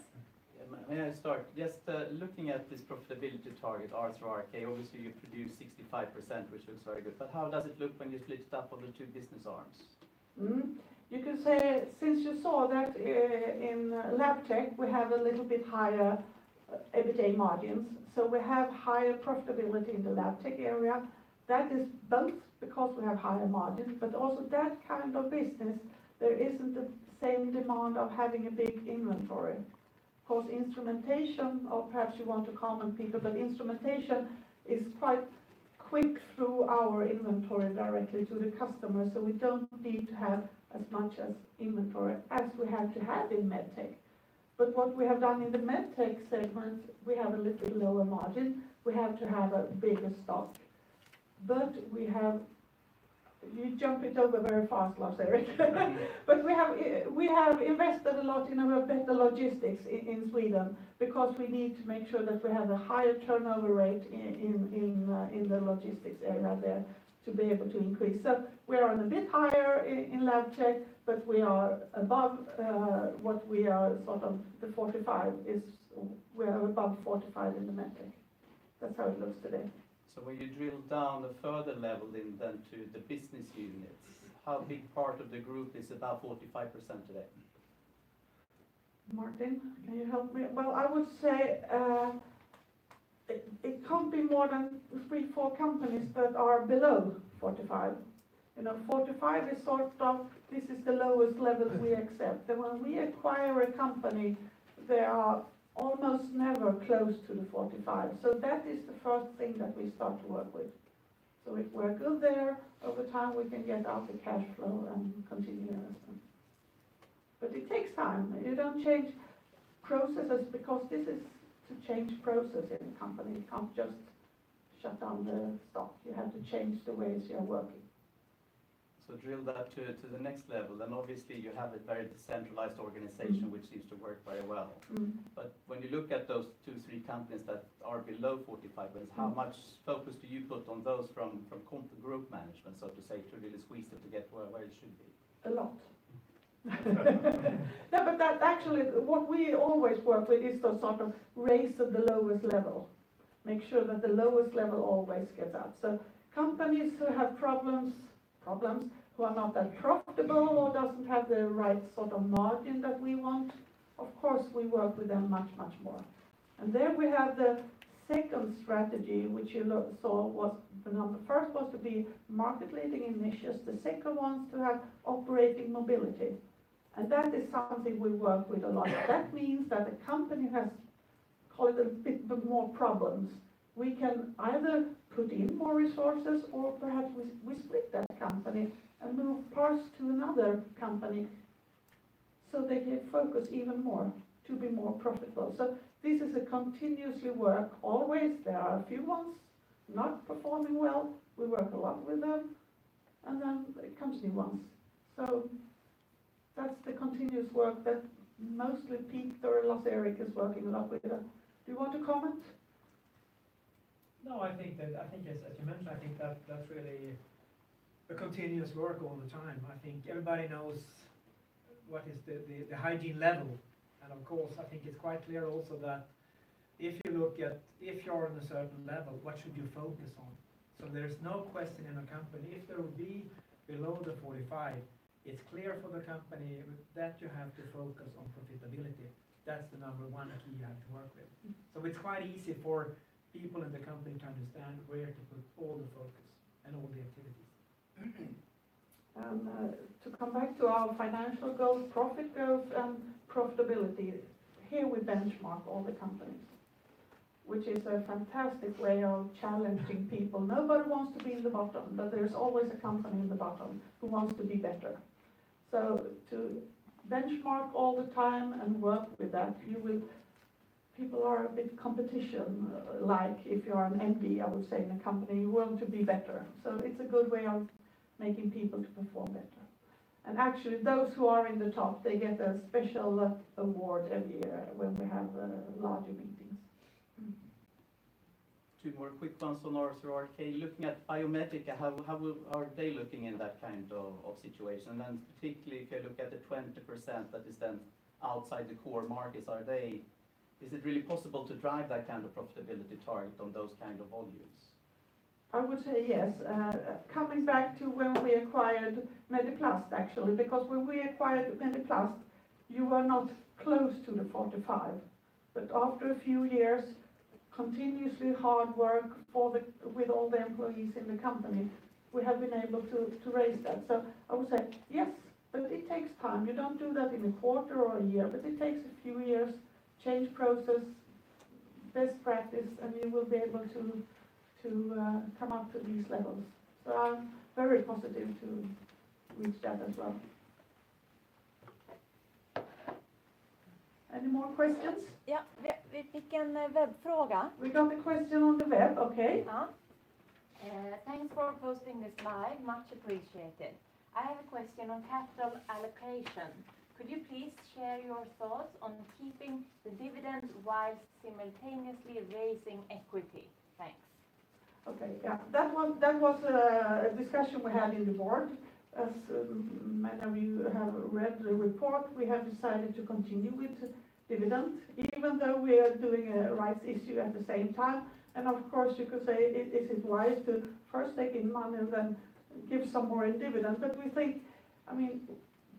May I start? Just looking at this profitability target, [are through our rate], obviously you produce 65%, which looks very good, how does it look when you split it up on the two business arms? You could say, since you saw that in Labtech, we have a little bit higher EBITDA margins, we have higher profitability in the Labtech area. That is both because we have higher margins, but also that kind of business, there isn't the same demand of having a big inventory. Of course, instrumentation, or perhaps you want to comment, Peter, but instrumentation is quite quick through our inventory directly to the customer, we don't need to have as much as inventory as we have to have in Medtech. What we have done in the Medtech segment, we have a little lower margin. We have to have a bigger stock. You jumped it over very fast, Lars-Erik, we have invested a lot in our better logistics in Sweden because we need to make sure that we have a higher turnover rate in the logistics area there to be able to increase. We are a bit higher in Labtech, we are above the 45% in the Medtech. That's how it looks today. When you drill down a further level than to the business units, how big part of the group is above 45% today? Martin, can you help me? I would say, it can't be more than three, four companies that are below 45. 45 is the lowest level we accept. When we acquire a company, they are almost never close to the 45. That is the first thing that we start to work with. If we're good there, over time we can get out the cash flow and continue. It takes time. You don't change processes because this is to change process in a company. You can't just shut down the stock. You have to change the ways you're working. Drill that to the next level, then obviously you have a very decentralized organization which seems to work very well. When you look at those two, three companies that are below 45%, how much focus do you put on those from AddLife Group management, so to say, to really squeeze them to get where it should be? Actually, what we always work with is the race at the lowest level, make sure that the lowest level always gets up. Companies who have problems, who are not that profitable or doesn't have the right sort of margin that we want, of course, we work with them much more. We have the second strategy, which you saw. The first was to be market leading in niches, the second one's to have operating mobility. That is something we work with a lot. That means that the company has, call it a bit more problems. We can either put in more resources or perhaps we split that company and move parts to another company, so they can focus even more to be more profitable. This is a continuously work always. There are a few ones not performing well. We work a lot with them. It comes new ones. That's the continuous work that mostly Peter or Lars-Erik is working a lot with that. Do you want to comment? I think as you mentioned, that's really a continuous work all the time. I think everybody knows what is the hygiene level. Of course, I think it's quite clear also that if you're on a certain level, what should you focus on? There's no question in a company, if there will be below the 45%, it's clear for the company that you have to focus on profitability. That's the number 1 that we have to work with. It's quite easy for people in the company to understand where to put all the focus and all the activities. To come back to our financial goals, profit goals and profitability, here we benchmark all the companies, which is a fantastic way of challenging people. Nobody wants to be in the bottom, there's always a company in the bottom who wants to be better. To benchmark all the time and work with that, people are a bit competition-like. If you're an MP, I would say, in a company, you want to be better. It's a good way of making people to perform better. Actually, those who are in the top, they get a special award every year when we have larger meetings. Two more quick ones on our sort, okay. Looking at Biomedica, how are they looking in that kind of situation? Particularly, if you look at the 20% that is then outside the core markets, is it really possible to drive that kind of profitability target on those kind of volumes? I would say yes. Coming back to when we acquired Mediplast, actually, because when we acquired Mediplast, you were not close to the 45. After a few years, continuously hard work with all the employees in the company, we have been able to raise that. I would say yes, but it takes time. You don't do that in a quarter or a year, but it takes a few years, change process, best practice, and you will be able to come up to these levels. I'm very positive to reach that as well. Any more questions? Yeah. We pick a web question. We got a question on the web. Okay. Thanks for hosting this live, much appreciated. I have a question on capital allocation. Could you please share your thoughts on keeping the dividend while simultaneously raising equity? Thanks. Okay. That was a discussion we had in the board. As many of you have read the report, we have decided to continue with dividend, even though we are doing a rights issue at the same time. Of course, you could say, is it wise to first take in money and then give some more in dividend? We think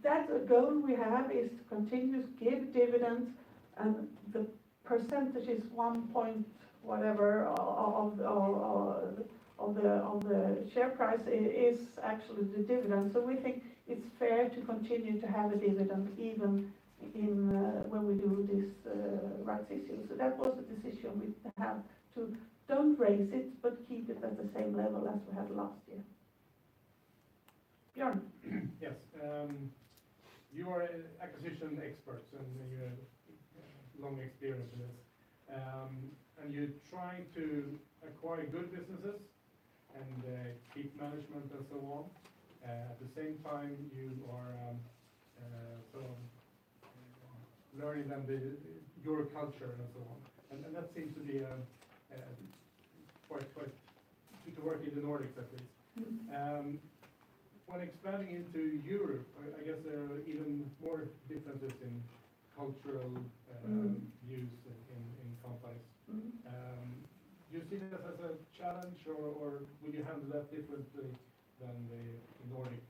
that goal we have is to continuously give dividends, and the percentage is one point whatever of the share price is actually the dividend. We think it's fair to continue to have a dividend even when we do this rights issue. That was a decision we have to don't raise it, but keep it at the same level as we had last year. Björn. Yes. You are acquisition experts and you have long experience in this. You're trying to acquire good businesses and keep management and so on. At the same time, you are learning your culture and so on. That seems to be quite good to work in the Nordics, at least. When expanding into Europe, I guess there are even more differences in cultural views in companies. Do you see that as a challenge, or will you handle that differently than the Nordics?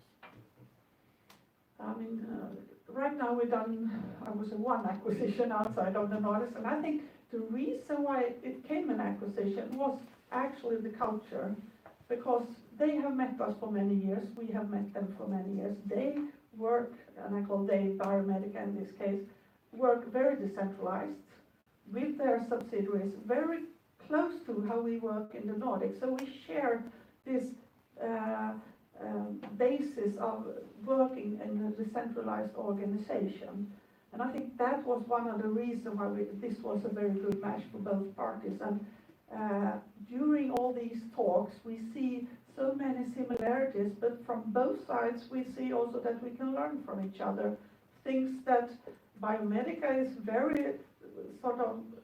Right now, we've done, I would say, one acquisition outside of the Nordics, and I think the reason why it came an acquisition was actually the culture, because they have met us for many years. We have met them for many years. They work, and I call they Biomedica in this case, work very decentralized with their subsidiaries, very close to how we work in the Nordics. We share this basis of working in a decentralized organization. I think that was one of the reason why this was a very good match for both parties. During all these talks, we see so many similarities, but from both sides, we see also that we can learn from each other, things that Biomedica is very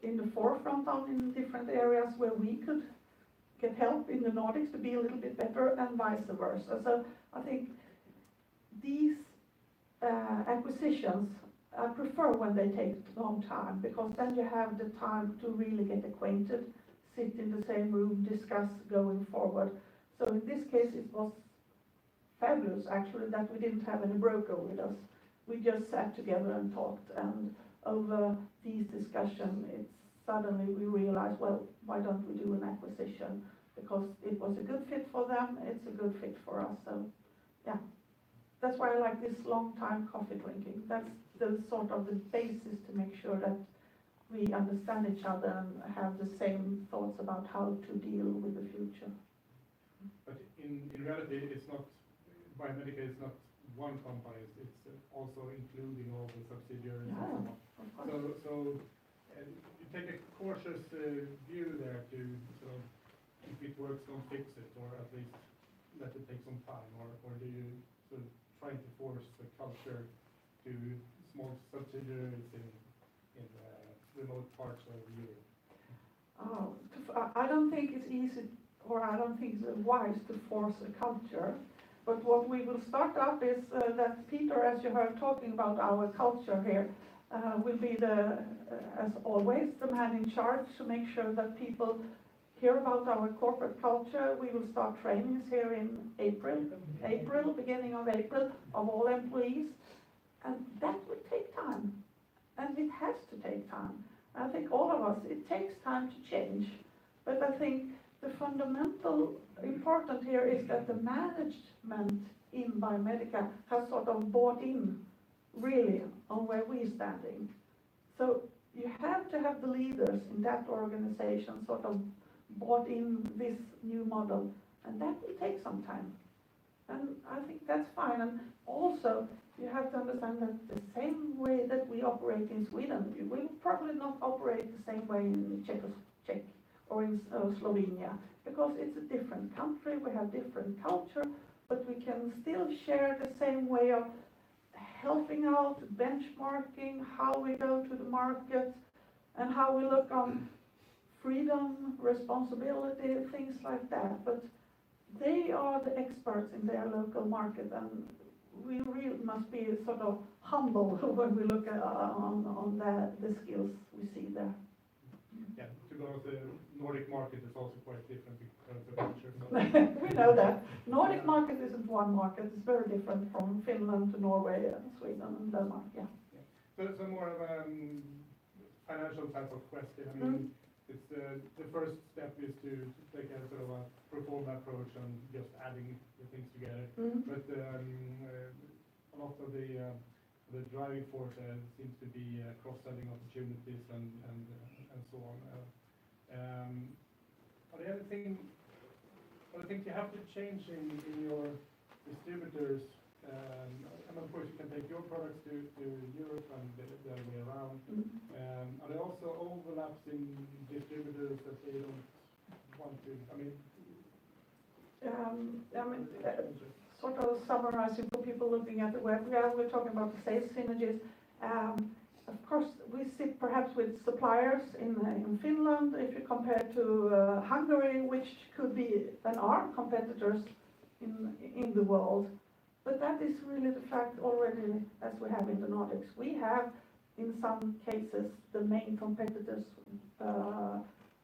in the forefront of in different areas where we could get help in the Nordics to be a little bit better and vice versa. I think these acquisitions, I prefer when they take a long time, because then you have the time to really get acquainted, sit in the same room, discuss going forward. In this case, it was fabulous, actually, that we didn't have any broker with us. We just sat together and talked, and over these discussion, suddenly we realized, well, why don't we do an acquisition? It was a good fit for them, it's a good fit for us. Yeah. That's why I like this long time coffee drinking. That's the basis to make sure that we understand each other and have the same thoughts about how to deal with the future. In reality, Biomedica is not one company. It's also including all the subsidiaries. Yeah, of course. You take a cautious view there to if it works, don't fix it, or at least let it take some time, or do you try to force the culture to small subsidiaries in remote parts of the world? I don't think it's easy. I don't think it's wise to force a culture. What we will start up is that Peter, as you heard talking about our culture here, will be, as always, the man in charge to make sure that people hear about our corporate culture. We will start trainings here in April. April. April, beginning of April, of all employees. That will take time. It has to take time. I think all of us, it takes time to change. I think the fundamental important here is that the management in Biomedica has bought in, really, on where we're standing. You have to have the leaders in that organization bought in this new model, and that will take some time. I think that's fine. Also, you have to understand that the same way that we operate in Sweden, we will probably not operate the same way in Czech or in Slovenia, because it's a different country. We have different culture, but we can still share the same way of helping out, benchmarking, how we go to the market, and how we look on freedom, responsibility, things like that. They are the experts in their local market. We really must be humble when we look on the skills we see there. Yeah. To go with the Nordic market is also quite different because of the culture. We know that. Nordic market isn't one market. It's very different from Finland to Norway and Sweden and Denmark, yeah. Yeah. It's more of financial type of question. The first step is to take a pro forma approach on just adding the things together. A lot of the driving force there seems to be cross-selling opportunities and so on. I think you have to change in your distributors. Of course, you can take your products to Europe and the other way around. Are there also overlaps in distributors that they don't want to Sort of summarizing for people looking at the web. Yes, we're talking about sales synergies. Of course, we sit perhaps with suppliers in Finland, if you compare to Hungary, which could be, and are, competitors in the world. That is really the fact already as we have in the Nordics. We have, in some cases, the main competitors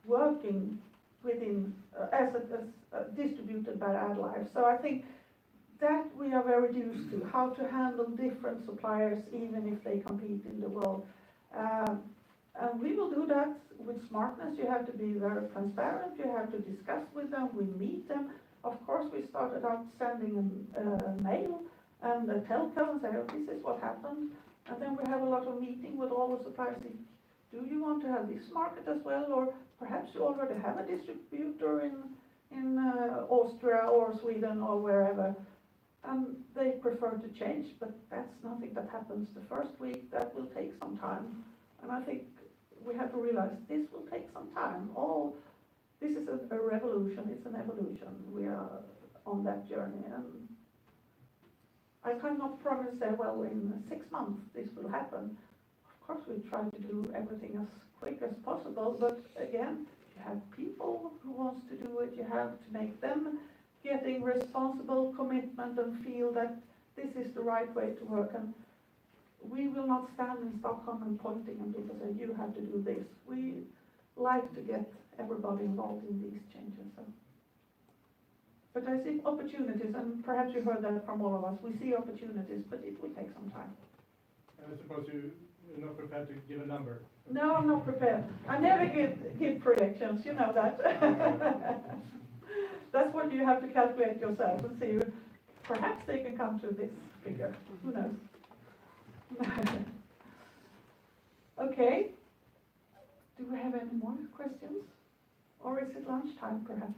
working within as a distributor by AddLife. I think that we are very used to, how to handle different suppliers, even if they compete in the world. We will do that with smartness. You have to be very transparent. You have to discuss with them. We meet them. Of course, we started out sending a mail and a telephone, saying, "Oh, this is what happened." Then we have a lot of meetings with all the suppliers, saying, "Do you want to have this market as well? Perhaps you already have a distributor in Austria or Sweden or wherever." They prefer to change, but that's nothing that happens the first week. That will take some time. I think we have to realize this will take some time, or this is a revolution. It's an evolution. We are on that journey, and I cannot promise, say, "Well, in six months this will happen." Of course, we try to do everything as quick as possible. Again, you have people who want to do it. You have to make them getting responsible commitment and feel that this is the right way to work. We will not stand in Stockholm and pointing at people, saying, "You have to do this." We like to get everybody involved in these changes. I think opportunities, and perhaps you heard that from all of us, we see opportunities, but it will take some time. I suppose you're not prepared to give a number? No, I'm not prepared. I never give predictions. You know that. That's what you have to calculate yourself and see perhaps they can come to this figure. Who knows? Okay. Do we have any more questions, or is it lunchtime perhaps?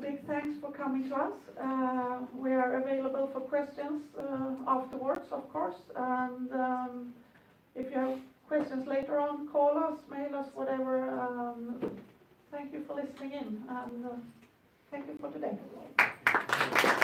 Big thanks for coming to us. We are available for questions afterwards, of course. If you have questions later on, call us, mail us, whatever. Thank you for listening in, and thank you for today.